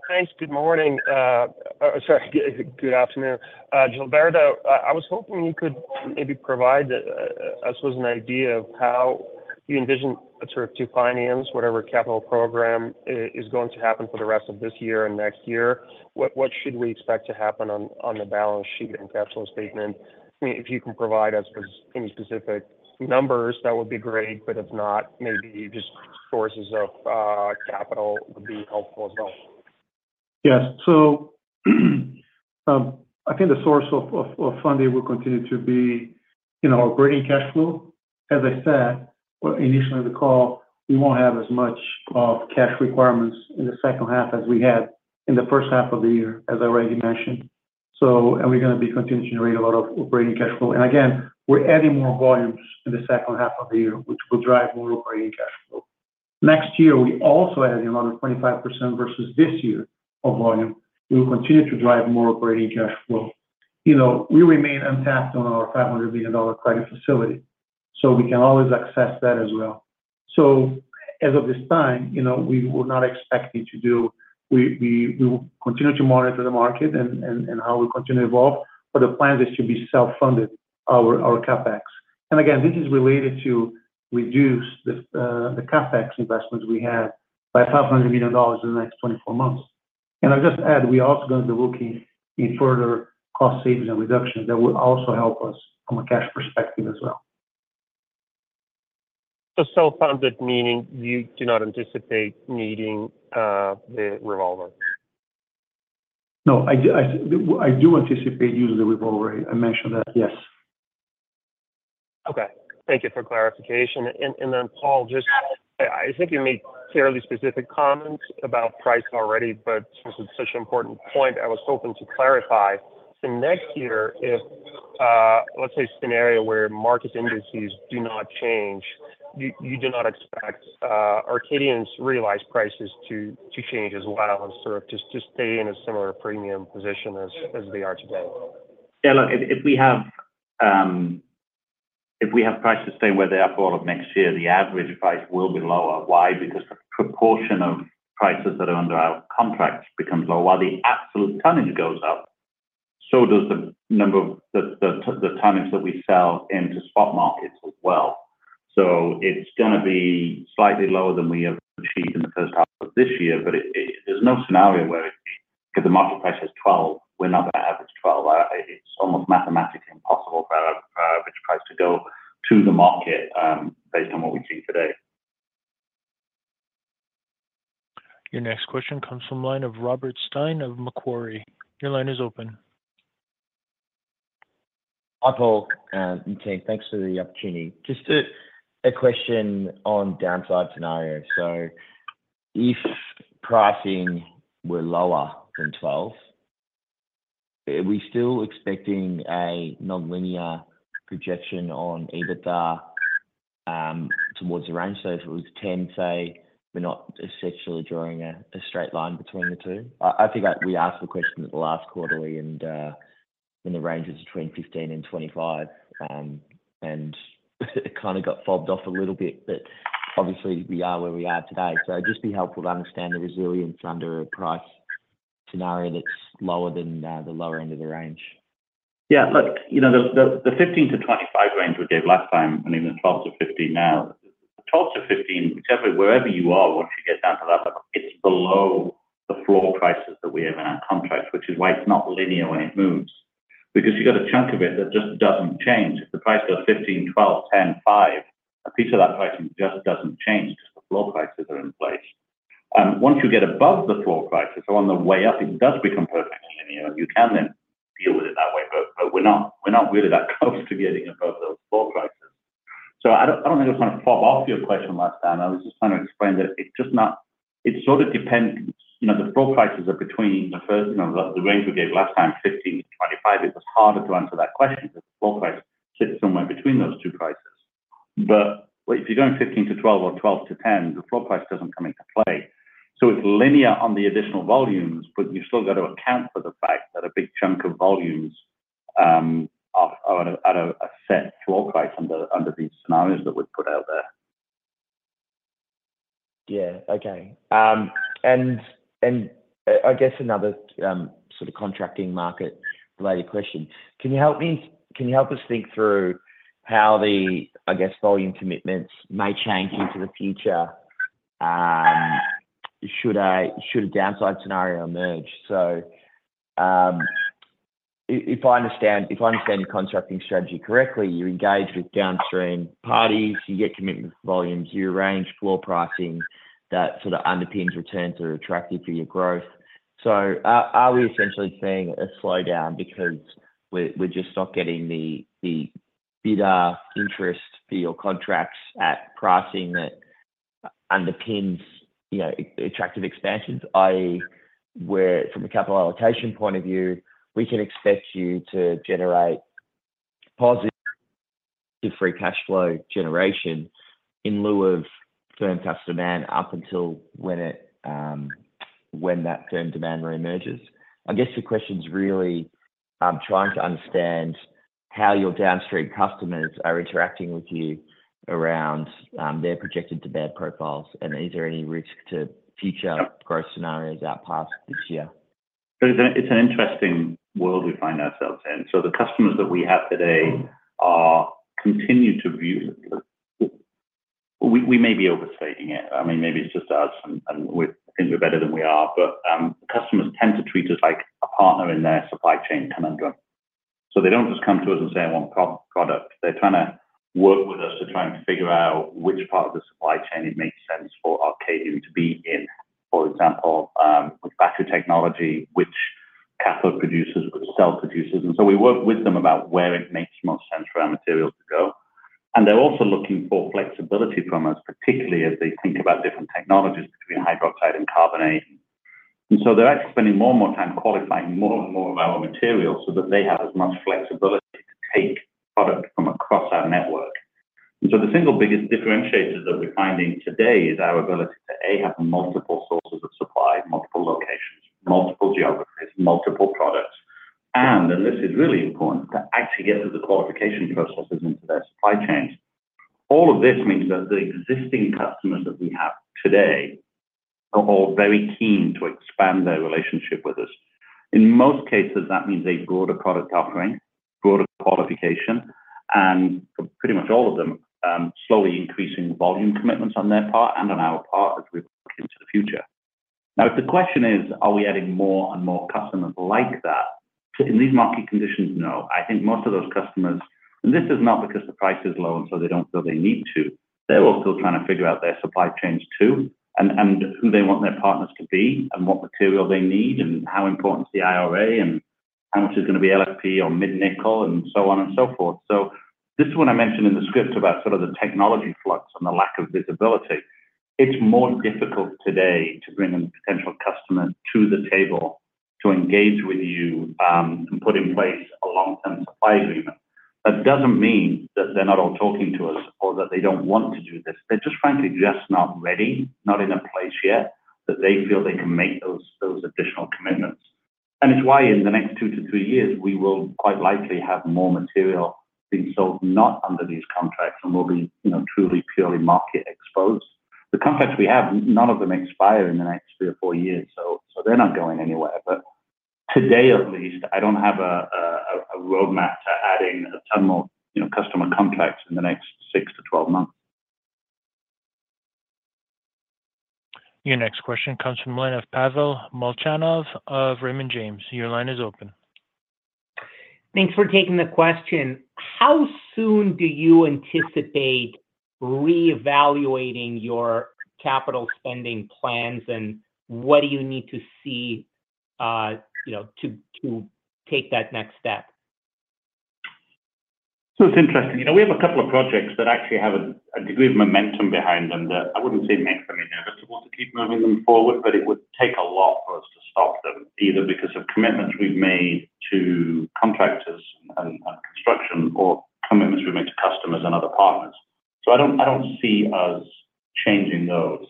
Thanks. Good morning. Sorry, good afternoon. Gilberto, I was hoping you could maybe provide us with an idea of how you envision a to finance whatever capital program is going to happen for the rest of this year and next year. What should we expect to happen on the balance sheet and capital statement? I mean, if you can provide us with any specific numbers, that would be great, but if not, maybe just sources of capital would be helpful as well. Yes. So, I think the source of funding will continue to be, you know, operating cash flow. As I said, well, initially on the call, we won't have as much of cash requirements in the H2 as we had in the H1 of the year, as I already mentioned. So and we're gonna be continuing to generate a lot of operating cash flow. And again, we're adding more volumes in the H2 of the year, which will drive more operating cash flow. Next year, we also adding another 25% versus this year of volume. We will continue to drive more operating cash flow. You know, we remain untapped on our $500 million credit facility, so we can always access that as well. So as of this time, we were not expecting to do, we will continue to monitor the market and how we continue to evolve, but the plan is to be self-funded our CapEx. And again, this is related to reduce the CapEx investments we have by $500 million in the next 24 months. And I'll just add, we are also going to be looking in further cost savings and reductions that will also help us from a cash perspective as well. So self-funded, meaning you do not anticipate needing, the revolver? No, I do anticipate using the revolver. I mentioned that, yes. Okay. Thank you for clarification. And then, Paul, just, I think you made fairly specific comments about price already, but since it's such an important point, I was hoping to clarify. So next year, if let's say a scenario where market indices do not change, you do not expect Arcadium's realized prices to change as well, and just to stay in a similar premium position as they are today? Look, if we have prices staying where they are for next year, the average price will be lower. Why? Because the proportion of prices that are under our contracts becomes lower. While the absolute tonnage goes up, so does the number of tonnages that we sell into spot markets as well. So it's gonna be slightly lower than we have achieved in the H1 of this year, but there's no scenario where if the market price is $12, we're not gonna average $12. It's almost mathematically impossible for our average price to go to the market, based on what we see today. Your next question comes from the line of Robert Stein of Macquarie. Your line is open. Hi, Paul, and team. Thanks for the opportunity. Just a question on downside scenario. So if pricing were lower than $12, are we still expecting a nonlinear projection on EBITDA towards the range? So if it was $10, say, we're not essentially drawing a straight line between the two. I think we asked the question at the last quarterly and in the ranges between $15 and $25, and it got fobbed off a little bit, but obviously, we are where we are today. So it'd just be helpful to understand the resilience under a price scenario that's lower than the lower end of the range. Look, the 15-25 range we gave last time, and even the 12-15 now, the 12-15, whichever, wherever you are, once you get down to that, it's below the floor prices that we have in our contracts, which is why it's not linear when it moves. Because you got a chunk of it that just doesn't change. If the price goes 15, 12, 10, 5, a piece of that pricing just doesn't change. The floor prices are in place. And once you get above the floor prices, on the way up, it does become perfectly linear. You can then deal with it that way, but we're not really that close to getting above those floor prices. So I don't think I was trying to pop off your question last time. I was just trying to explain that it's just not. It depends. You know, the floor prices are between the first, you know, the range we gave last time, $15-$25. It was harder to answer that question because the floor price sits somewhere between those two prices. But if you're going $15-$12 or $12-$10, the floor price doesn't come into play. So it's linear on the additional volumes, but you've still got to account for the fact that a big chunk of volumes are at a set floor price under these scenarios that we've put out there. And another contracting market-related question: Can you help me - can you help us think through how the volume commitments may change into the future, should a downside scenario emerge? So, if I understand your contracting strategy correctly, you engage with downstream parties, you get commitment volumes, you arrange floor pricing that underpins returns that are attractive for your growth. So are we essentially seeing a slowdown because we're just not getting the bidder interest for your contracts at pricing that underpins, you know, attractive expansions, i.e., where from a capital allocation point of view, we can expect you to generate positive free cash flow generation in lieu of firm customer demand up until when that firm demand reemerges? The question is really, I'm trying to understand how your downstream customers are interacting with you around their projected demand profiles, and is there any risk to future growth scenarios out past this year? So it's an interesting world we find ourselves in. So the customers that we have today are continue to view, we, we may be overstating it. I mean, maybe it's just us, and, and we think we're better than we are, but, customers tend to treat us like a partner in their supply chain conundrum. So they don't just come to us and say, I want product. They're trying to work with us to try and figure out which part of the supply chain it makes sense for Arcadium to be in. For example, with battery technology, which cathode producers, which cell producers. And so we work with them about where it makes the most sense for our materials to go. And they're also looking for flexibility from us, particularly as they think about different technologies between hydroxide and carbonate. So they're actually spending more and more time qualifying more and more of our materials so that they have as much flexibility to take product from across our network. And so the single biggest differentiators that we're finding today is our ability to, A, have multiple sources of supply, multiple locations, multiple geographies, multiple products, and, and this is really important, to actually get to the qualification processes into their supply chains. All of this means that the existing customers that we have today are all very keen to expand their relationship with us. In most cases, that means a broader product offering, broader qualification, and pretty much all of them, slowly increasing volume commitments on their part and on our part as we look into the future. Now, if the question is, are we adding more and more customers like that? In these market conditions, no. I think most of those customers, and this is not because the price is low and so they don't feel they need to. They're also trying to figure out their supply chains, too, and who they want their partners to be and what material they need and how important is the IRA and how much is going to be LFP or mid-nickel, and so on and so forth. So this is what I mentioned in the script about the technology flux and the lack of visibility. It's more difficult today to bring a potential customer to the table to engage with you, and put in place a long-term supply agreement. That doesn't mean that they're not all talking to us or that they don't want to do this. They're just frankly, just not ready, not in a place yet, that they feel they can make those additional commitments. And it's why in the next 2-3 years, we will quite likely have more material being sold, not under these contracts, and we'll be, you know, truly, purely market exposed. The contracts we have, none of them expire in the next 3-4 years, so they're not going anywhere. But today, at least, I don't have a roadmap to adding a ton more, you know, customer contracts in the next 6-12 months. Your next question comes from the line of Pavel Molchanov of Raymond James. Your line is open. Thanks for taking the question. How soon do you anticipate reevaluating your capital spending plans, and what do you need to see, you know, to take that next step? So it's interesting. You know, we have a couple of projects that actually have a degree of momentum behind them that I wouldn't say makes them inevitable to keep moving them forward, but it would take a lot for us to stop them, either because of commitments we've made to contractors and construction or commitments we've made to customers and other partners. So I don't see us changing those.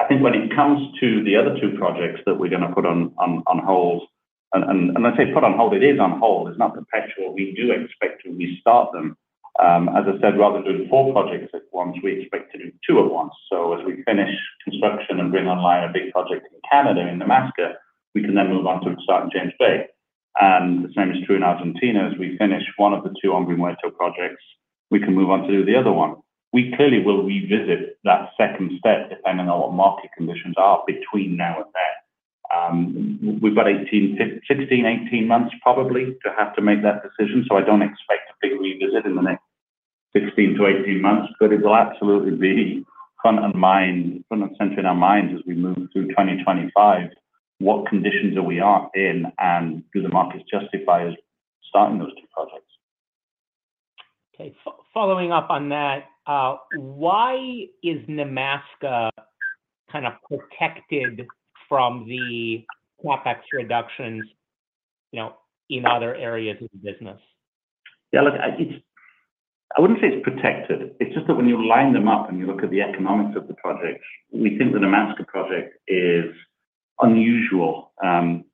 I think when it comes to the other two projects that we're going to put on hold, and when I say put on hold, it is on hold. It's not perpetual. We do expect to restart them. As I said, rather than doing four projects at once, we expect to do two at once. So as we finish construction and bring online a big project in Canada, in Nemaska, we can then move on to start in James Bay. And the same is true in Argentina. As we finish one of the two Hombre Muerto projects, we can move on to do the other one. We clearly will revisit that second step, depending on what market conditions are between now and then. We've got 16-18 months probably to have to make that decision, so I don't expect a big revisit in the next 16-18 months, but it will absolutely be front of mind, front and center in our minds as we move through 2025. What conditions we are in, and do the markets justify us starting those two projects? Okay, following up on that, why is Nemaska protected from the CapEx reductions, you know, in other areas of the business? Look, I wouldn't say it's protected. It's just that when you line them up and you look at the economics of the project, we think the Nemaska project is unusual.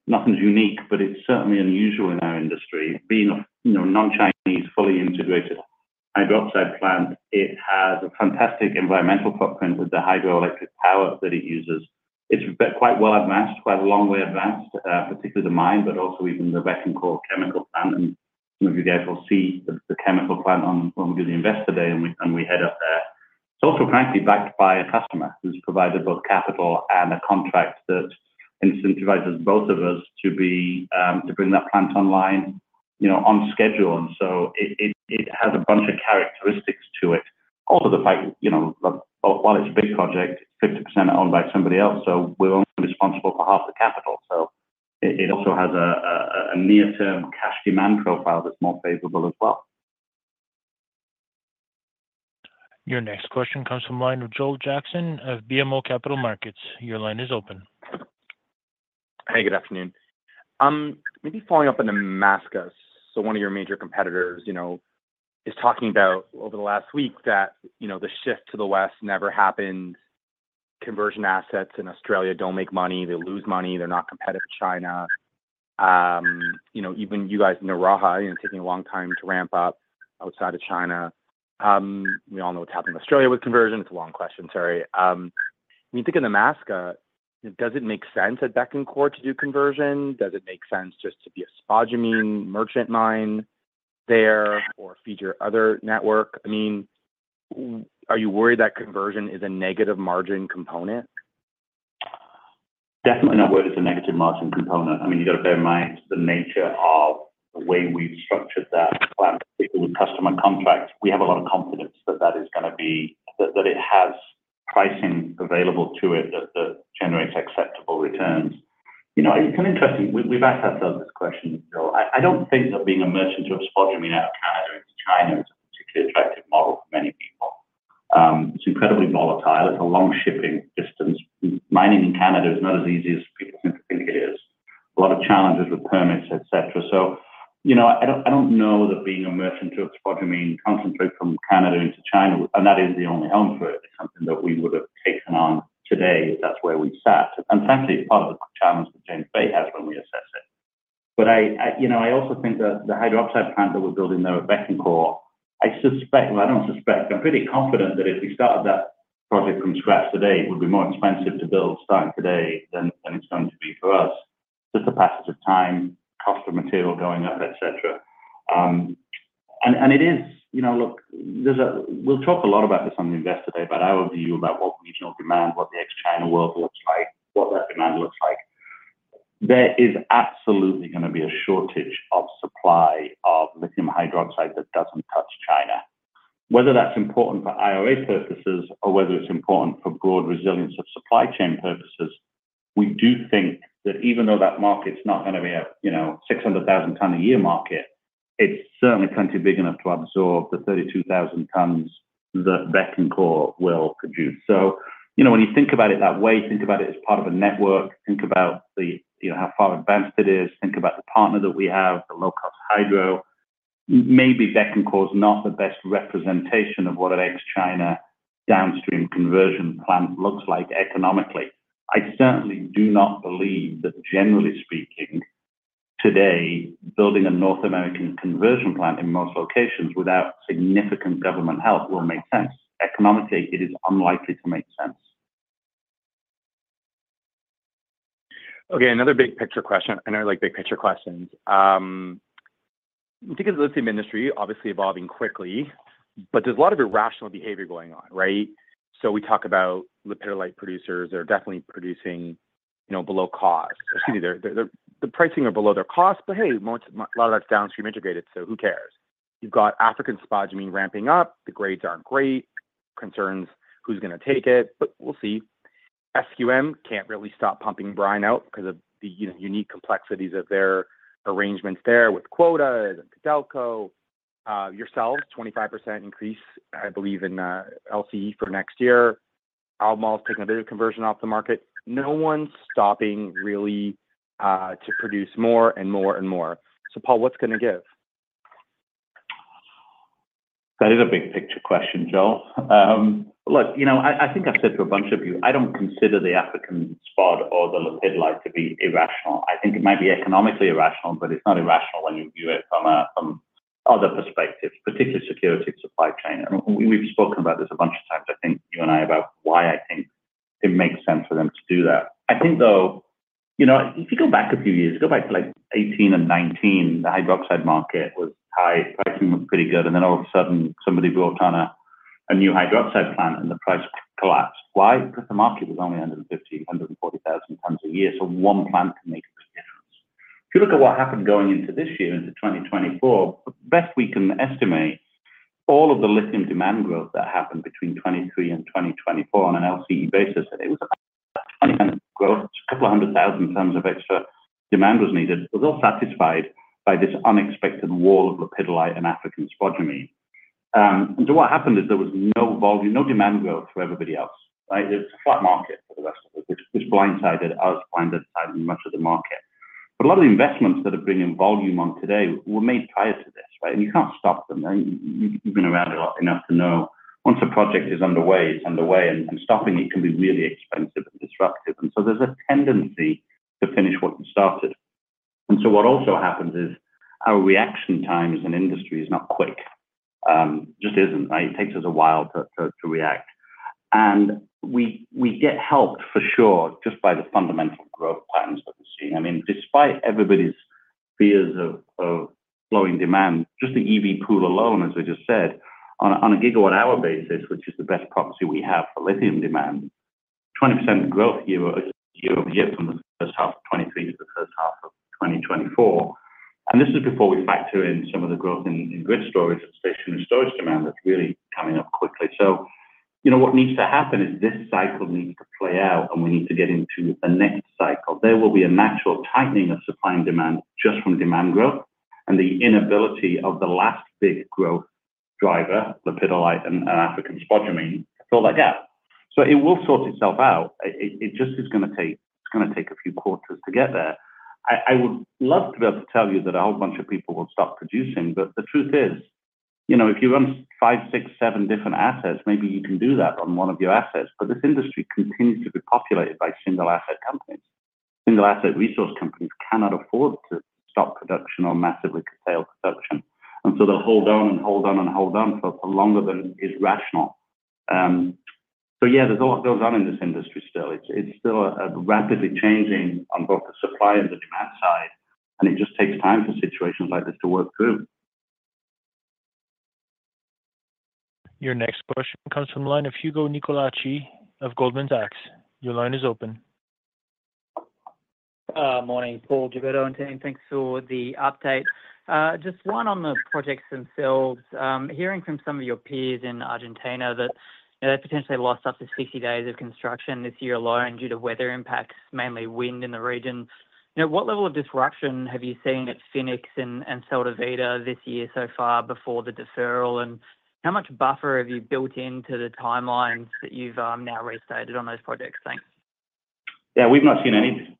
Nothing's unique, but it's certainly unusual in our industry. Being a, you know, non-Chinese, fully integrated hydroxide plant, it has a fantastic environmental footprint with the hydroelectric power that it uses. It's been quite well advanced, quite a long way advanced, particularly the mine, but also even the Bécancour chemical plant. And some of you guys will see the chemical plant when we do the Investor Day, and we head up there. It's also frankly backed by a customer who's provided both capital and a contract that incentivizes both of us to bring that plant online, you know, on schedule. And so it has a bunch of characteristics to it. Also, the fact, you know, while it's a big project, it's 50% owned by somebody else, so we're only responsible for half the capital. So it also has a near-term cash demand profile that's more favorable as well. Your next question comes from the line of Joel Jackson of BMO Capital Markets. Your line is open. Hey, good afternoon. Maybe following up on Nemaska. So one of your major competitors, you know, is talking about over the last week that, you know, the shift to the West never happened. Conversion assets in Australia don't make money, they lose money, they're not competitive with China. You know, even you guys in Naraha, you know, taking a long time to ramp up outside of China. We all know what's happened in Australia with conversion. It's a long question, sorry. When you think of Nemaska, does it make sense at Bécancour to do conversion? Does it make sense just to be a spodumene merchant mine there or feed your other network? I mean, are you worried that conversion is a negative margin component? Definitely not worried it's a negative margin component. I mean, you've got to bear in mind the nature of the way we've structured that plant with customer contracts. We have a lot of confidence that that is gonna be. That it has pricing available to it, that generates acceptable returns. You know, it's been interesting. We've asked ourselves this question, Joel. I don't think that being a merchant of spodumene out of Canada into China is a particularly attractive model for many people. It's incredibly volatile. It's a long shipping distance. Mining in Canada is not as easy as people think it is. A lot of challenges with permits, et cetera. So, you know, I don't know that being a merchant of spodumene concentrate from Canada into China, and that is the only outlet for it, is something that we would have taken on today if that's where we sat. And frankly, it's part of the challenge that James Bay has when we assess it. But, you know, I also think that the hydroxide plant that we're building there at Bécancour, I suspect, well, I don't suspect, I'm pretty confident that if we started that project from scratch today, it would be more expensive to build, starting today, than it's going to be for us. Just the passage of time, cost of material going up, etc. We'll talk a lot about this on the Investor Day, but our view about what regional demand, what the ex-China world looks like, what that demand looks like, there is absolutely gonna be a shortage of supply of lithium hydroxide that doesn't touch China. Whether that's important for IRA purposes or whether it's important for broad resilience of supply chain purposes, we do think that even though that market's not gonna be a, you know, 600,000-ton-a-year market, it's certainly plenty big enough to absorb the 32,000 tons that Bécancour will produce. So, you know, when you think about it that way, think about it as part of a network, think about the, you know, how far advanced it is, think about the partner that we have, the low-cost hydro. Maybe Bécancour is not the best representation of what an ex-China downstream conversion plant looks like economically. I certainly do not believe that generally speaking, today, building a North American conversion plant in most locations without significant government help will make sense. Economically, it is unlikely to make sense. Okay, another big picture question. I know you like big picture questions. Because the lithium industry obviously evolving quickly, but there's a lot of irrational behavior going on, right? So we talk about lepidolite producers that are definitely producing, you know, below cost. Excuse me, the pricing are below their cost, but hey, a lot of that's downstream integrated, so who cares? You've got African spodumene ramping up. The grades aren't great, concerns, who's gonna take it? But we'll see. SQM can't really stop pumping brine out 'cause of the, you know, unique complexities of their arrangements there with quota and Codelco, yourselves, 25% increase, I believe, in LCE for next year. Albemarle is taking a bit of conversion off the market. No one's stopping really to produce more and more and more. So Paul, what's gonna give? That is a big picture question, Joel. Look, you know, I think I've said to a bunch of you, I don't consider the African spod or the Lepidolite to be irrational. I think it might be economically irrational, but it's not irrational when you view it from other perspectives, particularly security of supply chain. And we've spoken about this a bunch of times, I think, you and I, about why I think it makes sense for them to do that. I think, though, you know, if you go back a few years, go back to, like, 2018 and 2019, the hydroxide market was high, pricing was pretty good, and then all of a sudden, somebody built a new hydroxide plant and the price collapsed. Why? Because the market was only 150, 140,000 tons a year, so one plant can make. If you look at what happened going into this year, into 2024, the best we can estimate, all of the lithium demand growth that happened between 2023 and 2024 on an LCE basis, it was about 20 growth. A couple of hundred thousand tons of extra demand was needed and was all satisfied by this unexpected wall of lepidolite and African spodumene. So what happened is there was no volume, no demand growth for everybody else, right? It's a flat market for the rest of us, which which blindsided us, blindsided much of the market. But a lot of the investments that are bringing volume on today were made prior to this, right? And you can't stop them. You've been around long enough to know once a project is underway, it's underway, and stopping it can be really expensive and disruptive. So there's a tendency to finish what you started. So what also happens is our reaction times in industry is not quick. Just isn't. It takes us a while to react. And we get helped for sure, just by the fundamental growth plans that we're seeing. I mean, despite everybody's fears of slowing demand, just the EV pool alone, as I just said, on a gigawatt hour basis, which is the best proxy we have for lithium demand, 20% growth year-over-year from the H1 of 2023 to the H1 of 2024. This is before we factor in some of the growth in, in grid storage, especially in the storage demand, that's really coming up quickly. So you know, what needs to happen is this cycle needs to play out, and we need to get into the next cycle. There will be a natural tightening of supply and demand just from demand growth and the inability of the last big growth driver, Lepidolite and, and African Spodumene, to fill that gap. So it will sort itself out. It, it just is gonna take, it's gonna take a few quarters to get there. I, I would love to be able to tell you that a whole bunch of people will stop producing, but the truth is, you know, if you run five, six, seven different assets, maybe you can do that on one of your assets. But this industry continues to be populated by single asset companies. Single asset resource companies cannot afford to stop production or massively curtail production, and so they'll hold on and hold on and hold on for longer than is rational. So there's a lot that goes on in this industry still. It's still rapidly changing on both the supply and the demand side, and it just takes time for situations like this to work through. Your next question comes from the line of Hugo Nicolaci of Goldman Sachs. Your line is open. Morning, Paul Graves and team, thanks for the update. Just one on the projects themselves. Hearing from some of your peers in Argentina that they potentially lost up to 60 days of construction this year alone due to weather impacts, mainly wind in the region. You know, what level of disruption have you seen at Fénix and, and Sal de Vida this year so far before the deferral, and how much buffer have you built into the timelines that you've now restated on those projects? Thanks. We've not seen any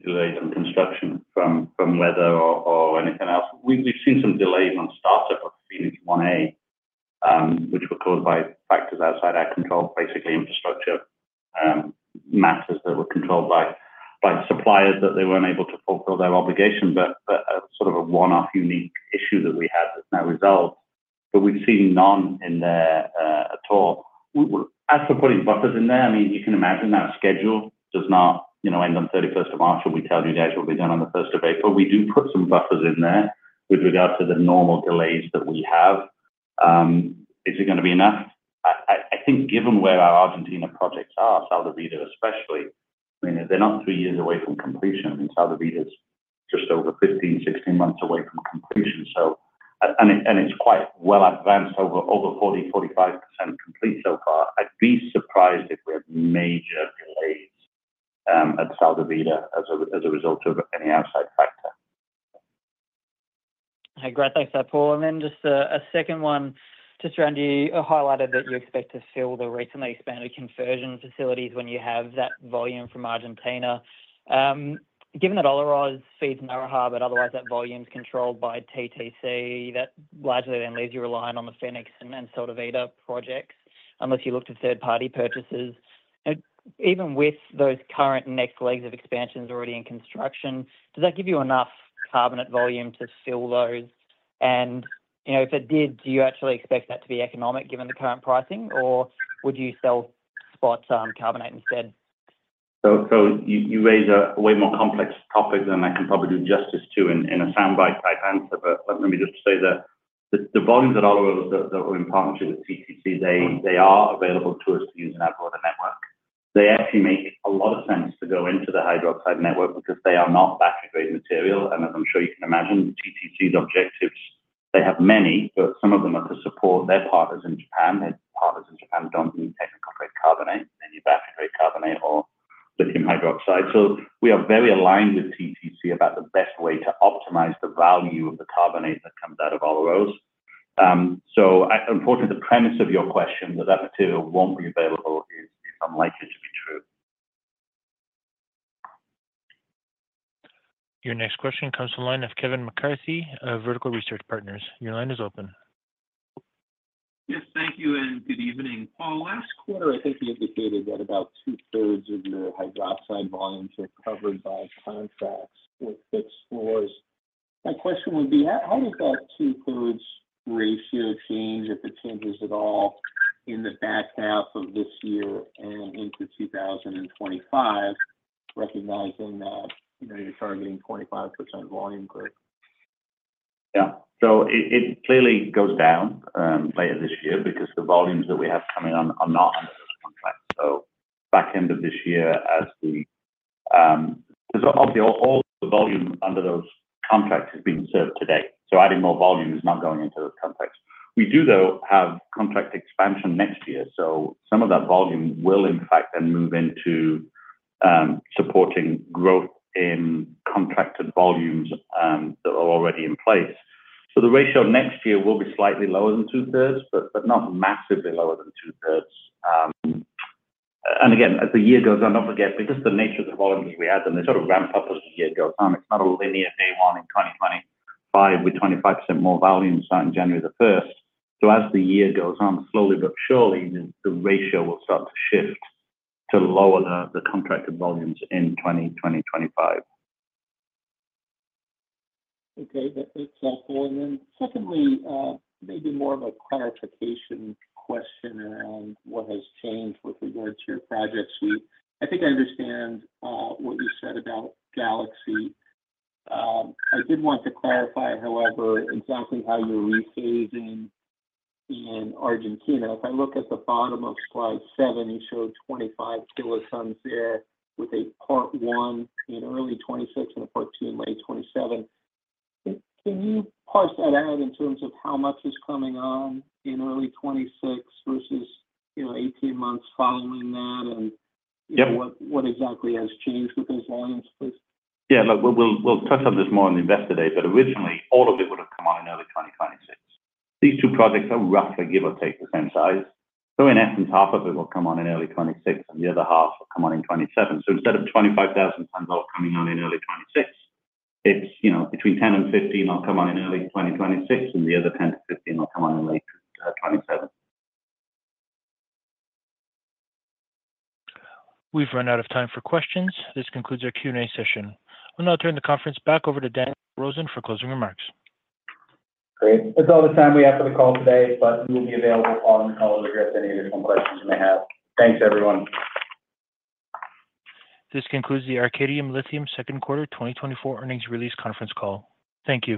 delays on construction from weather or anything else. We've seen some delays on startup of Fénix 1A, which were caused by factors outside our control, basically infrastructure matters that were controlled by suppliers, that they weren't able to fulfill their obligations, but one-off, unique issue that we had that's now resolved. But we've seen none in there at all. As for putting buffers in there, I mean, you can imagine that schedule does not, you know, end on 31st of March, but we tell you guys will be done on the 1st of April. We do put some buffers in there with regard to the normal delays that we have. Is it gonna be enough? I think given where our Argentina projects are, Sal de Vida especially, I mean, they're not 3 years away from completion. I mean, Sal de Vida is just over 15-16 months away from completion, so, and it's quite well advanced, over 40-45% complete so far. I'd be surprised if we have major delays at Sal de Vida as a result of any outside factor. Great. Thanks for that, Paul. And then just a second one to surrounding, highlighted that you expect to fill the recently expanded conversion facilities when you have that volume from Argentina. Given that Olaroz feeds Naraha, but otherwise that volume is controlled by TTC, that largely then leaves you relying on the Fénix and Sal de Vida projects, unless you look to third-party purchases. And even with those current next legs of expansions already in construction, does that give you enough carbonate volume to fill those? And you know, if it did, do you actually expect that to be economic, given the current pricing, or would you sell spot carbonate instead? So, you raise a way more complex topic than I can probably do justice to in a soundbite type answer. But let me just say that the volumes at Olaroz that are in partnership with TTC, they are available to us to use in our broader network. They actually make a lot of sense to go into the hydroxide network because they are not battery-grade material. And as I'm sure you can imagine, TTC's objectives, they have many, but some of them are to support their partners in Japan. Their partners in Japan don't need technical grade carbonate, any battery grade carbonate or lithium hydroxide. So we are very aligned with TTC about the best way to optimize the value of the carbonate that comes out of Olaroz. So importantly, the premise of your question, that that material won't be available, is unlikely to be true. Your next question comes from the line of Kevin McCarthy of Vertical Research Partners. Your line is open. Yes, thank you, and good evening. Paul, last quarter, I think you indicated that about 2/3 of your hydroxide volumes are covered by contracts with fixed floors. My question would be, how does that 2/3 ratio change, if it changes at all, in the back half of this year and into 2025, recognizing that, you know, you're targeting 25% volume growth? So it clearly goes down later this year because the volumes that we have coming on are not under this contract. So back end of this year, as the—because obviously, all the volume under those contracts is being served today, so adding more volume is not going into those contracts. We do, though, have contract expansion next year, so some of that volume will in fact then move into supporting growth in contracted volumes that are already in place. So the ratio next year will be slightly lower than 2/3, but not massively lower than 2/3. And again, as the year goes on, don't forget, because the nature of the volumes we add, then they ramp up as the year goes on. It's not a linear day one in 2025, with 25% more volume starting January 1. So as the year goes on, slowly but surely, the ratio will start to shift to lower the contracted volumes in 2025. Okay, that's helpful. Then secondly, maybe more of a clarification question around what has changed with regards to your project suite. I think I understand what you said about Galaxy. I did want to clarify, however, exactly how you're rephasing in Argentina. If I look at the bottom of Slide 7, you showed 25 kilotons there with a part one in early 2026 and a part two in late 2027. Can you parse that out in terms of how much is coming on in early 2026 versus, you know, 18 months following that, and what exactly has changed with those volumes, please? Look, we'll, we'll touch on this more on the investor day, but originally, all of it would have come on in early 2026. These two projects are roughly, give or take, the same size. So in essence, half of it will come on in early 2026, and the other half will come on in 2027. So instead of 25,000 tons all coming on in early 2026, it's, you know, between 10 and 15 will come on in early 2026, and the other 10 to 15 will come on in late 2027. We've run out of time for questions. This concludes our Q&A session. We'll now turn the conference back over to Daniel Rosen for closing remarks. Great. That's all the time we have for the call today, but we will be available on the call to address any additional questions you may have. Thanks, everyone. This concludes the Arcadium Lithium Q2 2024 earnings release conference call. Thank you.